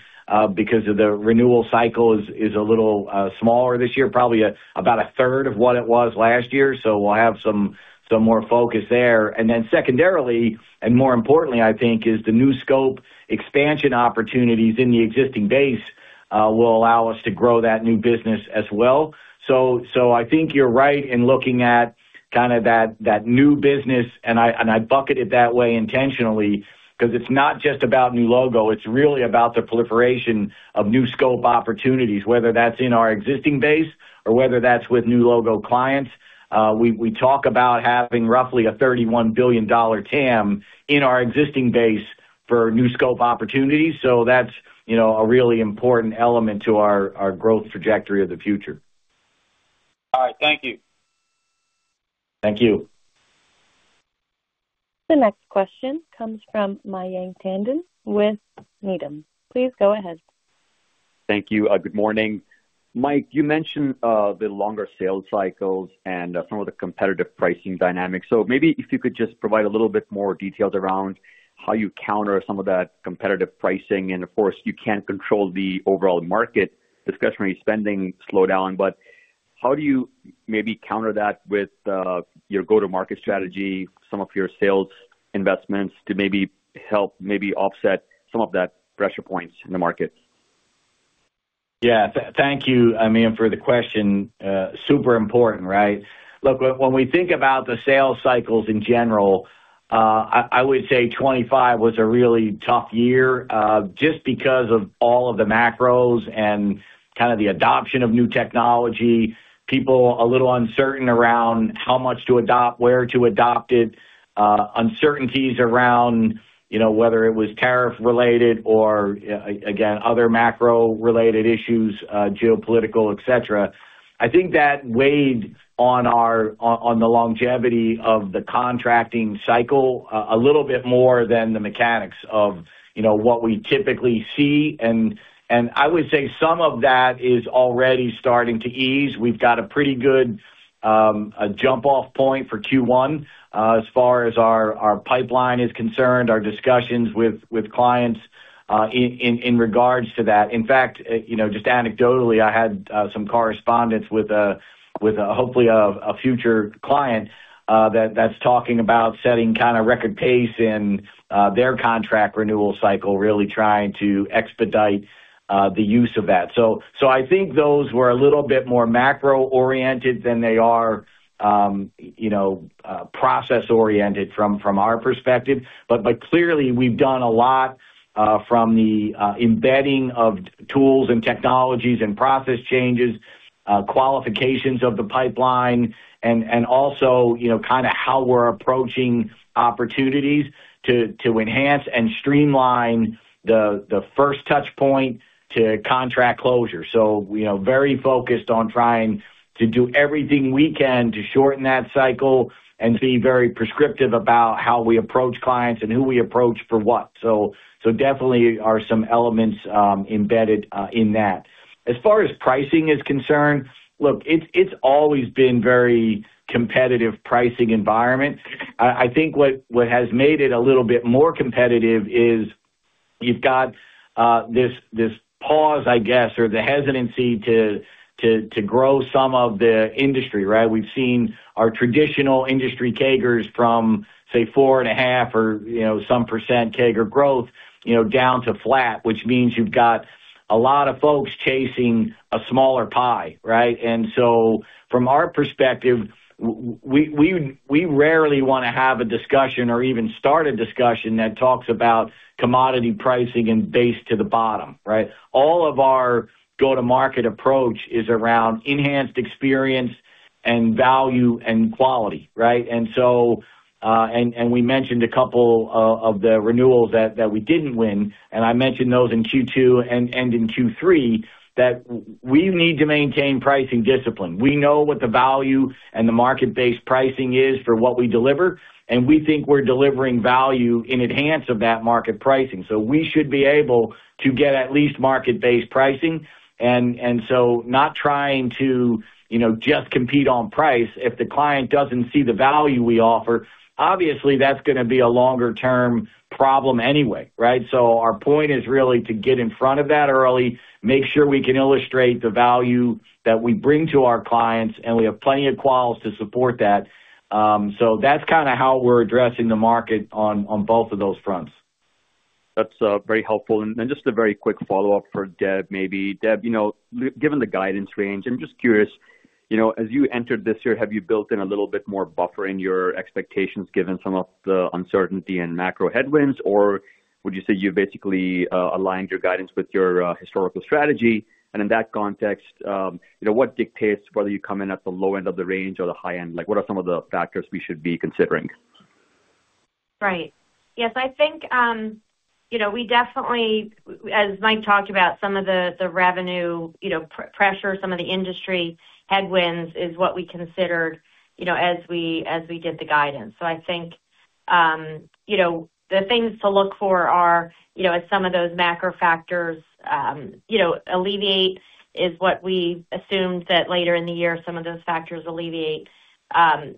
Speaker 3: because of the renewal cycle is a little smaller this year, probably about a third of what it was last year, we'll have some more focus there. Then secondarily, and more importantly, I think, is the new scope expansion opportunities in the existing base, will allow us to grow that New Business as well. I think you're right in looking at kind of that New Business, and I bucket it that way intentionally, because it's not just about new logo, it's really about the proliferation of new scope opportunities, whether that's in our existing base or whether that's with new logo clients. We talk about having roughly a $31 billion TAM in our existing base for new scope opportunities. That's, you know, a really important element to our growth trajectory of the future.
Speaker 5: All right. Thank you.
Speaker 3: Thank you.
Speaker 1: The next question comes from Mayank Tandon with Needham. Please go ahead.
Speaker 6: Thank you. Good morning. Mike, you mentioned the longer sales cycles and some of the competitive pricing dynamics. Maybe if you could just provide a little bit more details around how you counter some of that competitive pricing. Of course, you can't control the overall market discretionary spending slowdown, but how do you maybe counter that with your go-to-market strategy, some of your sales investments to maybe help offset some of that pressure points in the market?
Speaker 3: Yeah. Thank you, Mayank, for the question. Super important, right? Look, when we think about the sales cycles in general, I would say 2025 was a really tough year just because of all of the macros and kind of the adoption of new technology. People a little uncertain around how much to adopt, where to adopt it, uncertainties around, you know, whether it was tariff related or again, other macro-related issues, geopolitical, et cetera. I think that weighed on the longevity of the contracting cycle a little bit more than the mechanics of, you know, what we typically see. I would say some of that is already starting to ease. We've got a pretty good, a jump-off point for Q1, as far as our pipeline is concerned, our discussions with clients, in regards to that. In fact, you know, just anecdotally, I had, some correspondence with a hopefully, a future client, that's talking about setting kind of record pace in, their contract renewal cycle, really trying to expedite, the use of that. I think those were a little bit more macro-oriented than they are, you know, process-oriented from our perspective. Clearly we've done a lot, from the, embedding of tools and technologies and process changes, qualifications of the pipeline, and also, you know, kind of how we're approaching opportunities to enhance and streamline the first touch point to contract closure. You know, very focused on trying to do everything we can to shorten that cycle and be very prescriptive about how we approach clients and who we approach for what. Definitely are some elements embedded in that. As far as pricing is concerned, look, it's always been very competitive pricing environment. I think what has made it a little bit more competitive is you've got this pause, I guess, or the hesitancy to grow some of the industry, right? We've seen our traditional industry CAGRs from, say, 4.5% or, you know, some percent CAGR growth, you know, down to flat, which means you've got a lot of folks chasing a smaller pie, right? From our perspective, we rarely want to have a discussion or even start a discussion that talks about commodity pricing and base to the bottom, right? All of our go-to-market approach is around enhanced experience and value and quality, right? And we mentioned a couple of the renewals that we didn't win, and I mentioned those in Q2 and in Q3, that we need to maintain pricing discipline. We know what the value and the market-based pricing is for what we deliver, and we think we're delivering value in enhance of that market pricing. We should be able to get at least market-based pricing. Not trying to, you know, just compete on price. If the client doesn't see the value we offer, obviously, that's gonna be a longer-term problem anyway, right? Our point is really to get in front of that early, make sure we can illustrate the value that we bring to our clients, and we have plenty of quals to support that. That's kind of how we're addressing the market on both of those fronts.
Speaker 6: That's very helpful. Then just a very quick follow-up for Deb, maybe. Deb, you know, given the guidance range, I'm just curious, you know, as you entered this year, have you built in a little bit more buffer in your expectations, given some of the uncertainty and macro headwinds? Or would you say you basically aligned your guidance with your historical strategy? In that context, you know, what dictates whether you come in at the low end of the range or the high end? Like, what are some of the factors we should be considering?
Speaker 4: Right. Yes, I think, you know, we definitely, as Mike talked about, some of the revenue, you know, pressure, some of the industry headwinds is what we considered, you know, as we did the guidance. I think, you know, the things to look for are, you know, as some of those macro factors, you know, alleviate, is what we assumed that later in the year, some of those factors alleviate.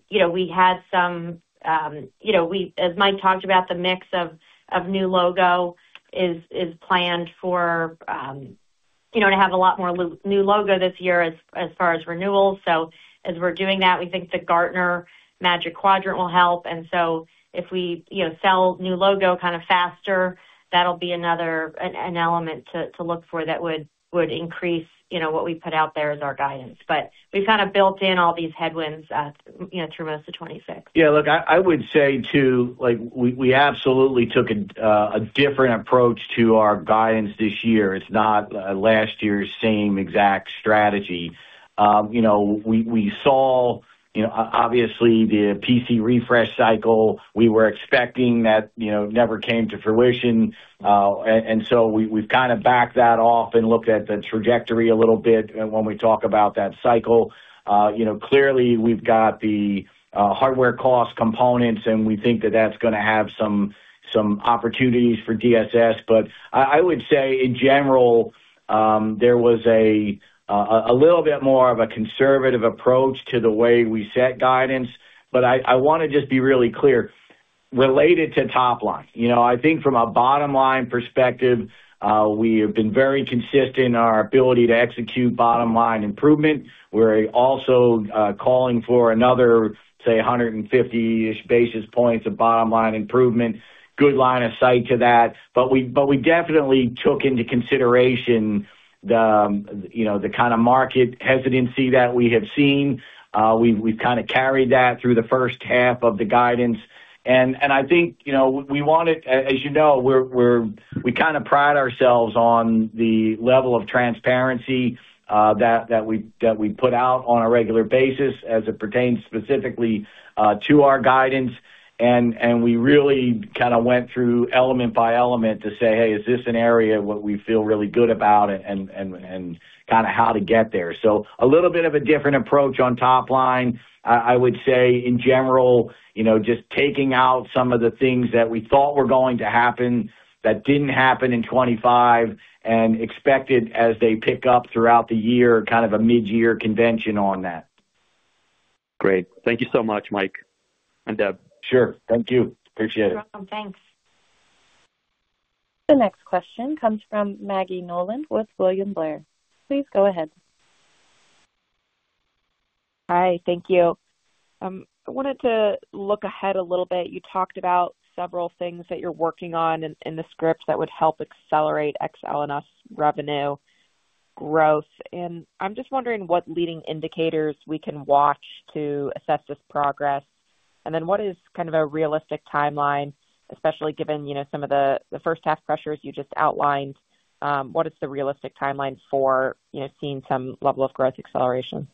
Speaker 4: You know, we had some, you know, as Mike talked about, the mix of new logo is planned for, you know, to have a lot more new logo this year as far as renewals. As we're doing that, we think the Gartner Magic Quadrant will help, and so if we, you know, sell new logo kind of faster, that'll be another element to look for that would increase, you know, what we put out there as our guidance. We've kind of built in all these headwinds, you know, through most of 2026.
Speaker 3: Yeah, look, I would say, too, like, we absolutely took a different approach to our guidance this year. It's not last year's same exact strategy. You know, we saw, you know, obviously, the PC refresh cycle we were expecting that, you know, never came to fruition. We've kind of backed that off and looked at the trajectory a little bit when we talk about that cycle. You know, clearly, we've got the hardware cost components, and we think that that's gonna have some opportunities for DSS. I would say, in general, there was a little bit more of a conservative approach to the way we set guidance. I want to just be really clear, related to top line. You know, I think from a bottom-line perspective, we have been very consistent in our ability to execute bottom-line improvement. We're also calling for another, say, 150-ish basis points of bottom-line improvement. Good line of sight to that. We definitely took into consideration the, you know, the kind of market hesitancy that we have seen. We've kind of carried that through the first half of the guidance, I think, you know. As you know, we kind of pride ourselves on the level of transparency that we put out on a regular basis as it pertains specifically to our guidance. We really kind of went through element by element to say, "Hey, is this an area what we feel really good about?" Kind of how to get there. A little bit of a different approach on top line. I would say, in general, you know, just taking out some of the things that we thought were going to happen that didn't happen in 2025, and expected as they pick up throughout the year, kind of a mid-year convention on that.
Speaker 6: Great. Thank you so much, Mike and Deb.
Speaker 3: Sure. Thank you. Appreciate it.
Speaker 4: You're welcome. Thanks.
Speaker 1: The next question comes from Maggie Nolan with William Blair. Please go ahead.
Speaker 7: Hi, thank you. I wanted to look ahead a little bit. You talked about several things that you're working on in the script that would help accelerate Ex-L&S revenue growth, and I'm just wondering what leading indicators we can watch to assess this progress. What is kind of a realistic timeline, especially given, you know, some of the first half pressures you just outlined, what is the realistic timeline for, you know, seeing some level of growth acceleration?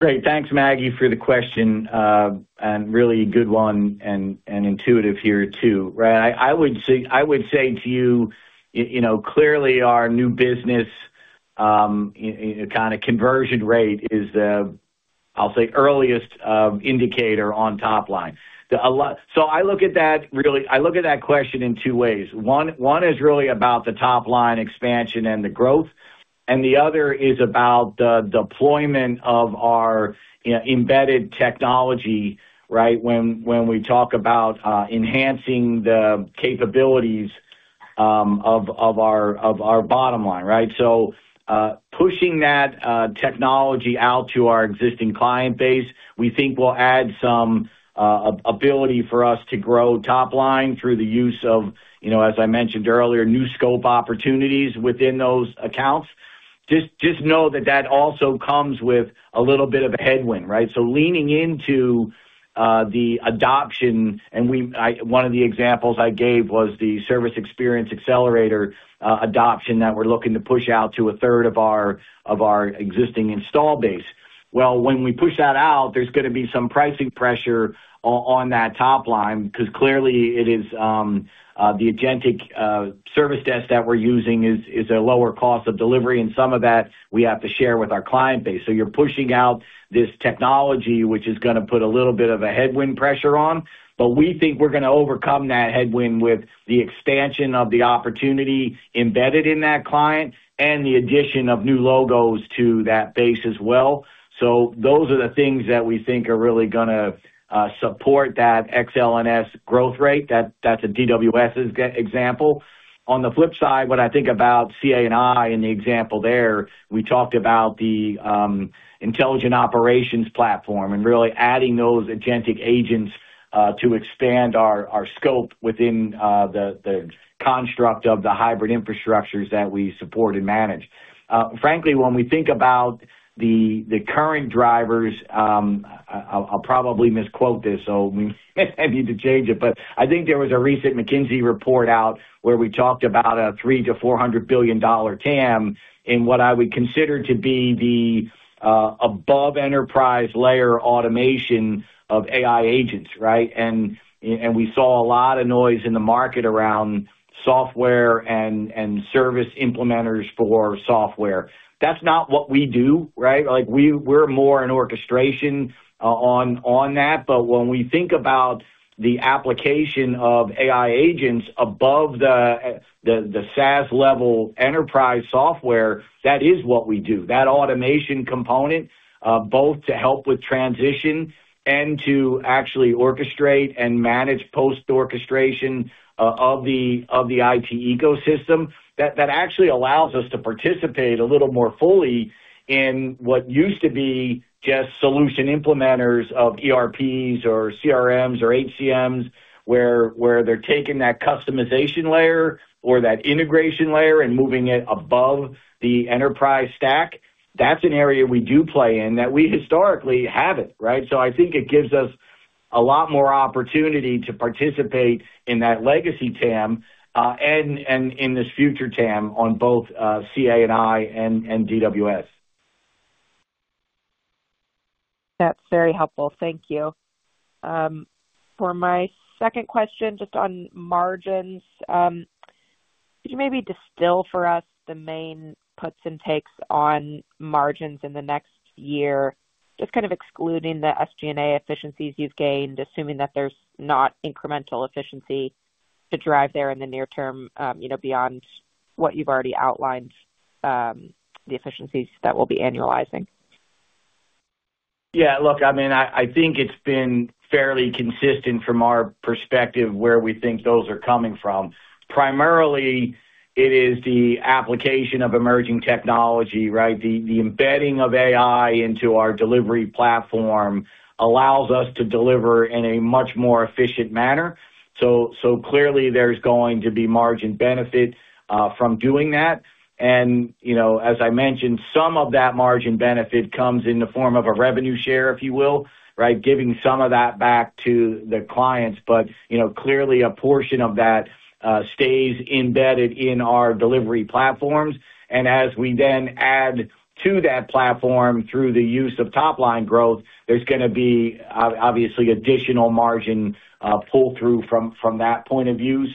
Speaker 3: Great. Thanks, Maggie, for the question, and really good one and intuitive here, too, right? I would say to you know, clearly our new business kind of conversion rate is the, I'll say, earliest indicator on top line. I look at that really, I look at that question in two ways. One is really about the top-line expansion and the growth. The other is about the deployment of our, you know, embedded technology, right? When we talk about enhancing the capabilities of our bottom line, right? Pushing that technology out to our existing client base, we think will add some ability for us to grow top line through the use of, you know, as I mentioned earlier, new scope opportunities within those accounts. Just know that that also comes with a little bit of a headwind, right? Leaning into the adoption, I, one of the examples I gave was the Service Experience Accelerator adoption that we're looking to push out to a third of our existing install base. When we push that out, there's gonna be some pricing pressure on that top line, because clearly it is the agentic service desk that we're using is a lower cost of delivery, and some of that we have to share with our client base. You're pushing out this technology, which is gonna put a little bit of a headwind pressure on, but we think we're gonna overcome that headwind with the expansion of the opportunity embedded in that client and the addition of new logos to that base as well. Those are the things that we think are really gonna support that Ex-L&S growth rate. That's a DWS's example. On the flip side, when I think about CA&I and the example there, we talked about the Intelligent Operations platform and really adding those agentic agents to expand our scope within the construct of the hybrid infrastructures that we support and manage. Frankly, when we think about the current drivers, I'll probably misquote this, so you may need to change it, but I think there was a recent McKinsey report out where we talked about a $300 billion-$400 billion TAM in what I would consider to be the above enterprise layer automation of AI agents, right? We saw a lot of noise in the market around software and service implementers for software. That's not what we do, right? Like, we're more an orchestration on that. When we think about the application of AI agents above the SaaS level enterprise software, that is what we do. That automation component, both to help with transition and to actually orchestrate and manage post orchestration of the IT ecosystem, that actually allows us to participate a little more fully in what used to be just solution implementers of ERPs or CRMs or HCMs, where they're taking that customization layer or that integration layer and moving it above the enterprise stack. That's an area we do play in that we historically haven't, right? I think it gives us a lot more opportunity to participate in that legacy TAM, and in this future TAM on both CA&I and DWS.
Speaker 7: That's very helpful. Thank you. For my second question, just on margins, could you maybe distill for us the main puts and takes on margins in the next year, just kind of excluding the SG&A efficiencies you've gained, assuming that there's not incremental efficiency to drive there in the near term, you know, beyond what you've already outlined, the efficiencies that we'll be annualizing?
Speaker 3: Yeah, look, I mean, I think it's been fairly consistent from our perspective, where we think those are coming from. Primarily, it is the application of emerging technology, right? The embedding of AI into our delivery platform allows us to deliver in a much more efficient manner. Clearly there's going to be margin benefit from doing that. You know, as I mentioned, some of that margin benefit comes in the form of a revenue share, if you will, right? Giving some of that back to the clients. You know, clearly a portion of that stays embedded in our delivery platforms. As we then add to that platform through the use of top-line growth, there's gonna be obviously additional margin pull through from that point of view.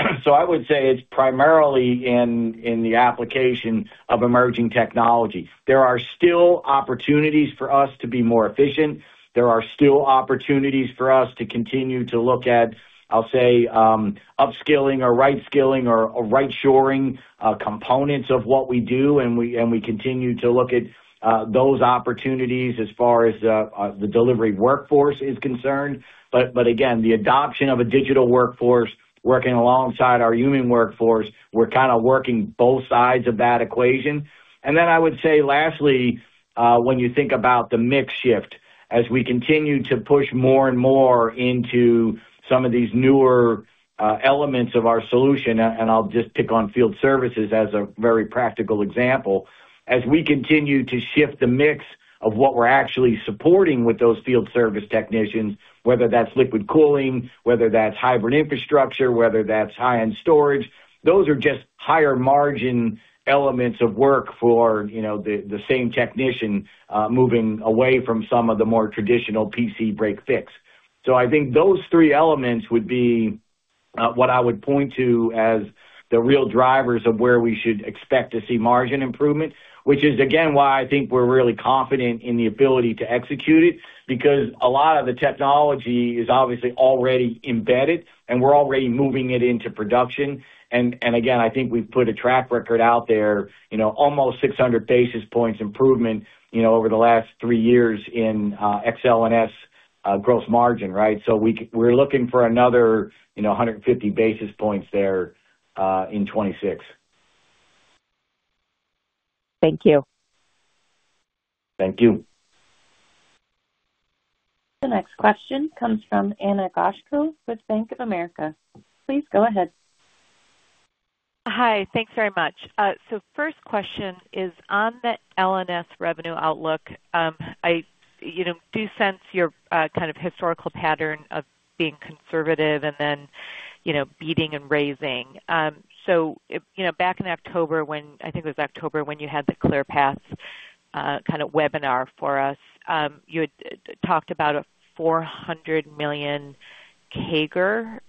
Speaker 3: I would say it's primarily in the application of emerging technology. There are still opportunities for us to be more efficient. There are still opportunities for us to continue to look at, I'll say, upskilling or right-skilling or right-shoring, components of what we do, and we continue to look at those opportunities as far as the delivery workforce is concerned. Again, the adoption of a digital workforce working alongside our human workforce, we're kind of working both sides of that equation. I would say, lastly, when you think about the mix shift, as we continue to push more and more into some of these newer elements of our solution, and I'll just pick on field services as a very practical example. As we continue to shift the mix of what we're actually supporting with those field service technicians, whether that's liquid cooling, whether that's hybrid infrastructure, whether that's high-end storage, those are just higher margin elements of work for, you know, the same technician, moving away from some of the more traditional PC break-fix. I think those three elements would be what I would point to as the real drivers of where we should expect to see margin improvement, which is, again, why I think we're really confident in the ability to execute it, because a lot of the technology is obviously already embedded and we're already moving it into production. Again, I think we've put a track record out there, you know, almost 600 basis points improvement, you know, over the last three years in Ex-L&S gross margin, right? We're looking for another, you know, 150 basis points there, in 2026.
Speaker 7: Thank you.
Speaker 3: Thank you.
Speaker 1: The next question comes from Ana Goshko with Bank of America. Please go ahead.
Speaker 8: Hi, thanks very much. First question is on the L&S revenue outlook. I, you know, do sense your kind of historical pattern of being conservative and then, you know, beating and raising. You know, back in October, I think it was October, when you had the ClearPath kind of webinar for us, you had talked about a $400 million CAGR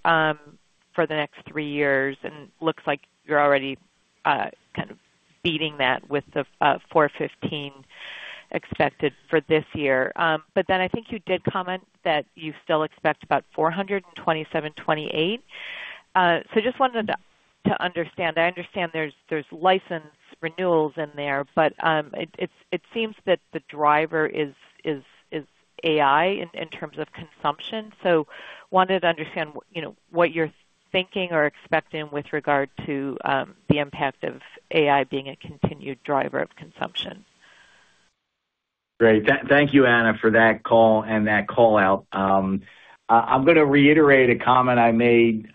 Speaker 8: for the next three years, and looks like you're already kind of beating that with the $415 million expected for this year. I think you did comment that you still expect about $400 million in 2027, 2028. Just wanted to understand. I understand there's license renewals in there, but it seems that the driver is AI in terms of consumption. Wanted to understand, you know, what you're thinking or expecting with regard to the impact of AI being a continued driver of consumption.
Speaker 3: Great. Thank you, Ana, for that call and that call-out. I'm going to reiterate a comment I made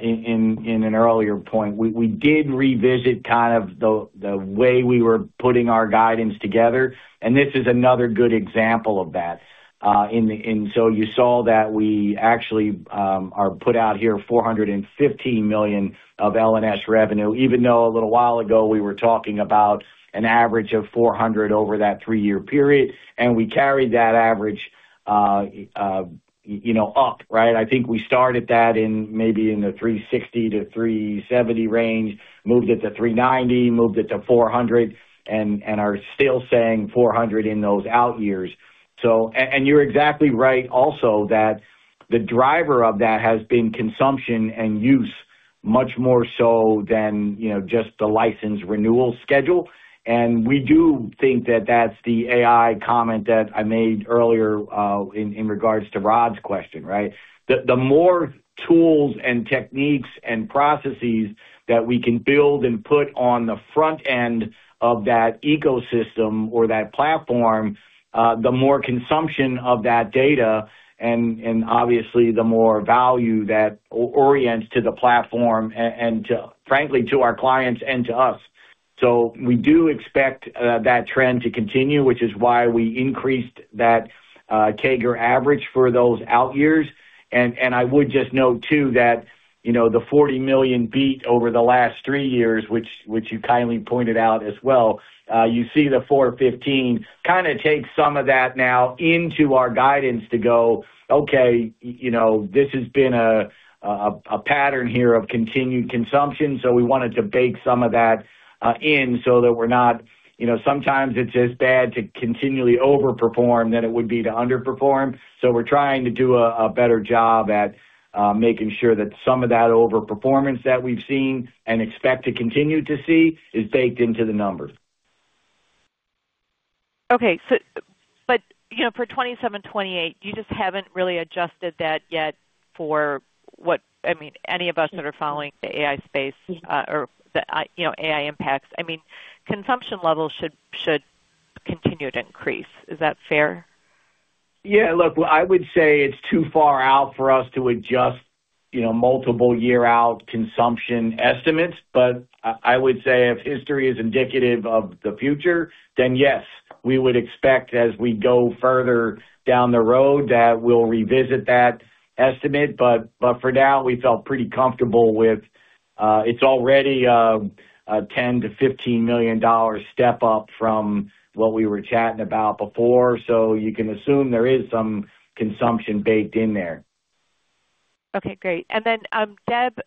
Speaker 3: in an earlier point. We did revisit kind of the way we were putting our guidance together, and this is another good example of that. You saw that we actually are put out here $415 million of L&S revenue, even though a little while ago we were talking about an average of $400 million over that three-year period, and we carried that average, you know, up, right? I think we started that in maybe in the $360 million-$370 million range, moved it to $390 million, moved it to $400 million, and are still saying $400 million in those out years. You're exactly right also that the driver of that has been consumption and use much more so than, you know, just the license renewal schedule. We do think that that's the AI comment that I made earlier, in regards to Rod's question, right? The more tools and techniques and processes that we can build and put on the front end of that ecosystem or that platform, the more consumption of that data and obviously, the more value that orients to the platform and to, frankly, to our clients and to us. We do expect that trend to continue, which is why we increased that CAGR average for those out years. I would just note, too, that, you know, the $40 million beat over the last three years, which you kindly pointed out as well, you see the $415 million kind of takes some of that now into our guidance to go, okay, you know, this has been a pattern here of continued consumption, so we wanted to bake some of that in, so that we're not. You know, sometimes it's as bad to continually overperform than it would be to underperform. We're trying to do a better job at making sure that some of that overperformance that we've seen and expect to continue to see is baked into the numbers.
Speaker 8: You know, for 2027, 2028, you just haven't really adjusted that yet. I mean, any of us that are following the AI space, or the, you know, AI impacts, I mean, consumption levels should continue to increase. Is that fair?
Speaker 3: Yeah, look, I would say it's too far out for us to adjust, you know, multiple year-out consumption estimates. I would say if history is indicative of the future, then yes, we would expect, as we go further down the road, that we'll revisit that estimate. For now, we felt pretty comfortable with, it's already a $10 million-$15 million step up from what we were chatting about before. You can assume there is some consumption baked in there.
Speaker 8: Okay, great. Deb,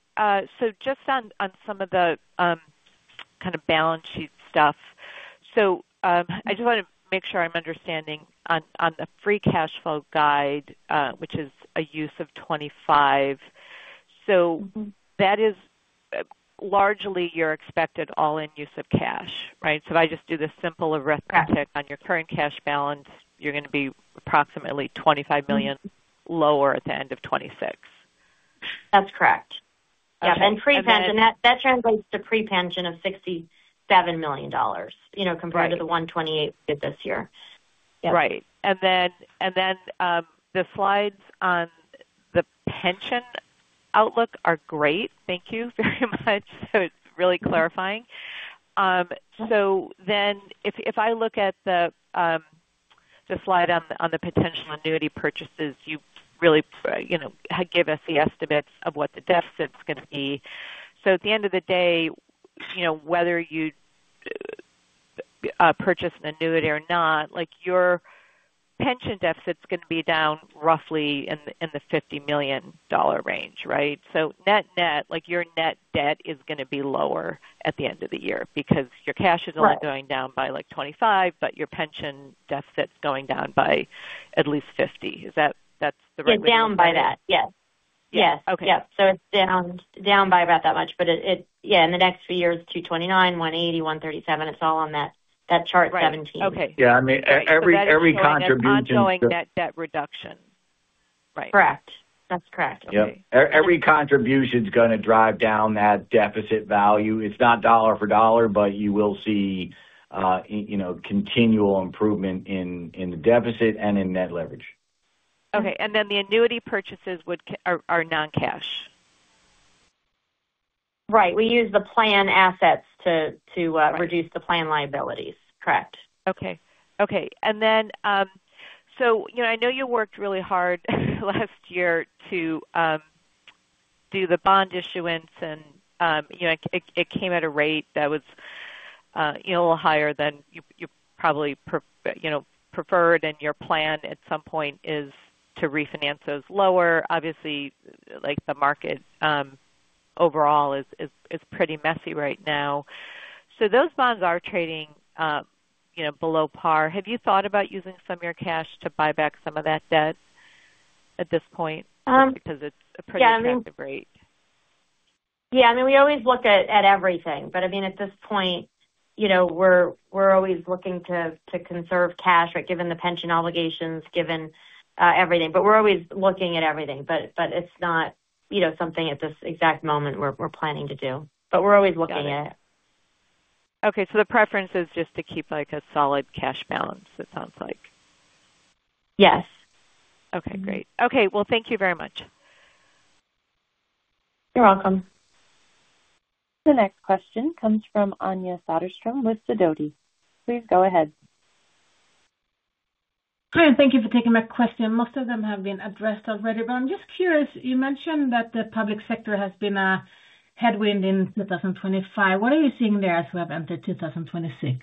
Speaker 8: just on some of the, kind of balance sheet stuff. I just want to make sure I'm understanding on the free cash flow guide, which is a use of $25 million. That is largely your expected all-in use of cash, right? If I just do this simple arithmetic on your current cash balance, you're going to be approximately $25 million lower at the end of 2026.
Speaker 4: That's correct.
Speaker 8: Okay.
Speaker 4: Pre-pension, that translates to pre-pension of $67 million, you know, compared to the $128 million we did this year.
Speaker 8: Right. The slides on the pension outlook are great. Thank you very much. It's really clarifying. If, if I look at the slide on the potential annuity purchases, you really, you know, give us the estimates of what the deficit's going to be. At the end of the day, you know, whether purchase an annuity or not, like, your pension deficit is going to be down roughly in the $50 million range, right? Net-net, like, your net debt is going to be lower at the end of the year because your cash is only going down by, like, $25 million, but your pension deficit is going down by at least $50 million. Is that the right way?
Speaker 4: It's down by that, yes. Yes.
Speaker 8: Okay.
Speaker 4: It's down by about that much, but it. In the next few years, $229 million, $180 million, $137 million, it's all on that Chart 17.
Speaker 8: Right. Okay.
Speaker 3: Yeah, I mean, every.
Speaker 4: Ongoing net debt reduction, right?
Speaker 8: Correct. That's correct.
Speaker 3: Yep. Every contribution is going to drive down that deficit value. It's not dollar for dollar, but you will see, you know, continual improvement in the deficit and in net leverage.
Speaker 8: Okay, and then the annuity purchases are non-cash?
Speaker 4: Right. We use the plan assets to-
Speaker 8: Right.
Speaker 4: Reduce the plan liabilities. Correct.
Speaker 8: Okay. Okay. You know, I know you worked really hard last year to do the bond issuance, and, you know, it came at a rate that was, you know, a little higher than you probably preferred, and your plan at some point is to refinance those lower. Obviously, like, the market overall is pretty messy right now. Those bonds are trading, you know, below par. Have you thought about using some of your cash to buy back some of that debt at this point? It's a pretty attractive rate.
Speaker 4: Yeah, I mean, we always look at everything, but I mean, at this point, you know, we're always looking to conserve cash, right, given the pension obligations, given everything. We're always looking at everything. It's not, you know, something at this exact moment we're planning to do, but we're always looking at it.
Speaker 8: Okay, the preference is just to keep, like, a solid cash balance, it sounds like.
Speaker 4: Yes.
Speaker 8: Okay, great. Okay, well, thank you very much.
Speaker 4: You're welcome.
Speaker 1: The next question comes from Anja Soderstrom with Sidoti. Please go ahead.
Speaker 9: Hi, thank you for taking my question. Most of them have been addressed already. I'm just curious, you mentioned that the public sector has been a headwind in 2025. What are you seeing there as we have entered 2026?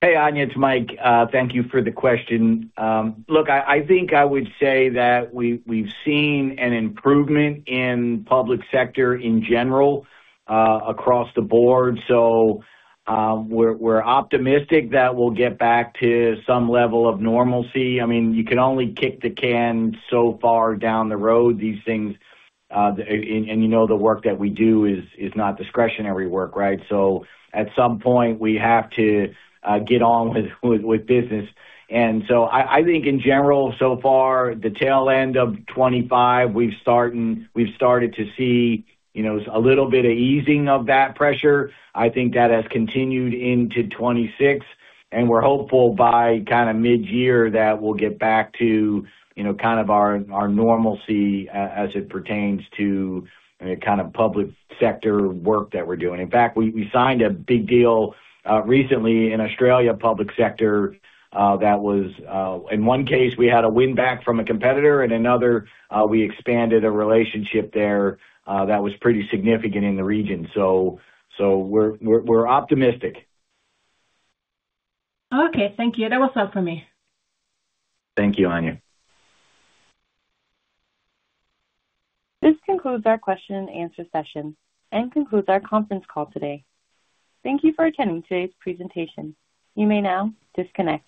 Speaker 3: Hey, Anja, it's Mike. Thank you for the question. I think I would say that we've seen an improvement in public sector in general across the board. We're optimistic that we'll get back to some level of normalcy. I mean, you can only kick the can so far down the road, these things, and you know, the work that we do is not discretionary work, right? At some point, we have to get on with business. I think in general, so far, the tail end of 2025, we've started to see, you know, a little bit of easing of that pressure. I think that has continued into 2026, and we're hopeful by kind of mid-year that we'll get back to, you know, kind of our normalcy as it pertains to the kind of public sector work that we're doing. In fact, we signed a big deal recently in Australia, public sector, that was in one case, we had a win back from a competitor, and another, we expanded a relationship there, that was pretty significant in the region. We're optimistic.
Speaker 9: Okay, thank you. That was all for me.
Speaker 3: Thank you, Anja.
Speaker 1: This concludes our question-and-answer session and concludes our conference call today. Thank you for attending today's presentation. You may now disconnect.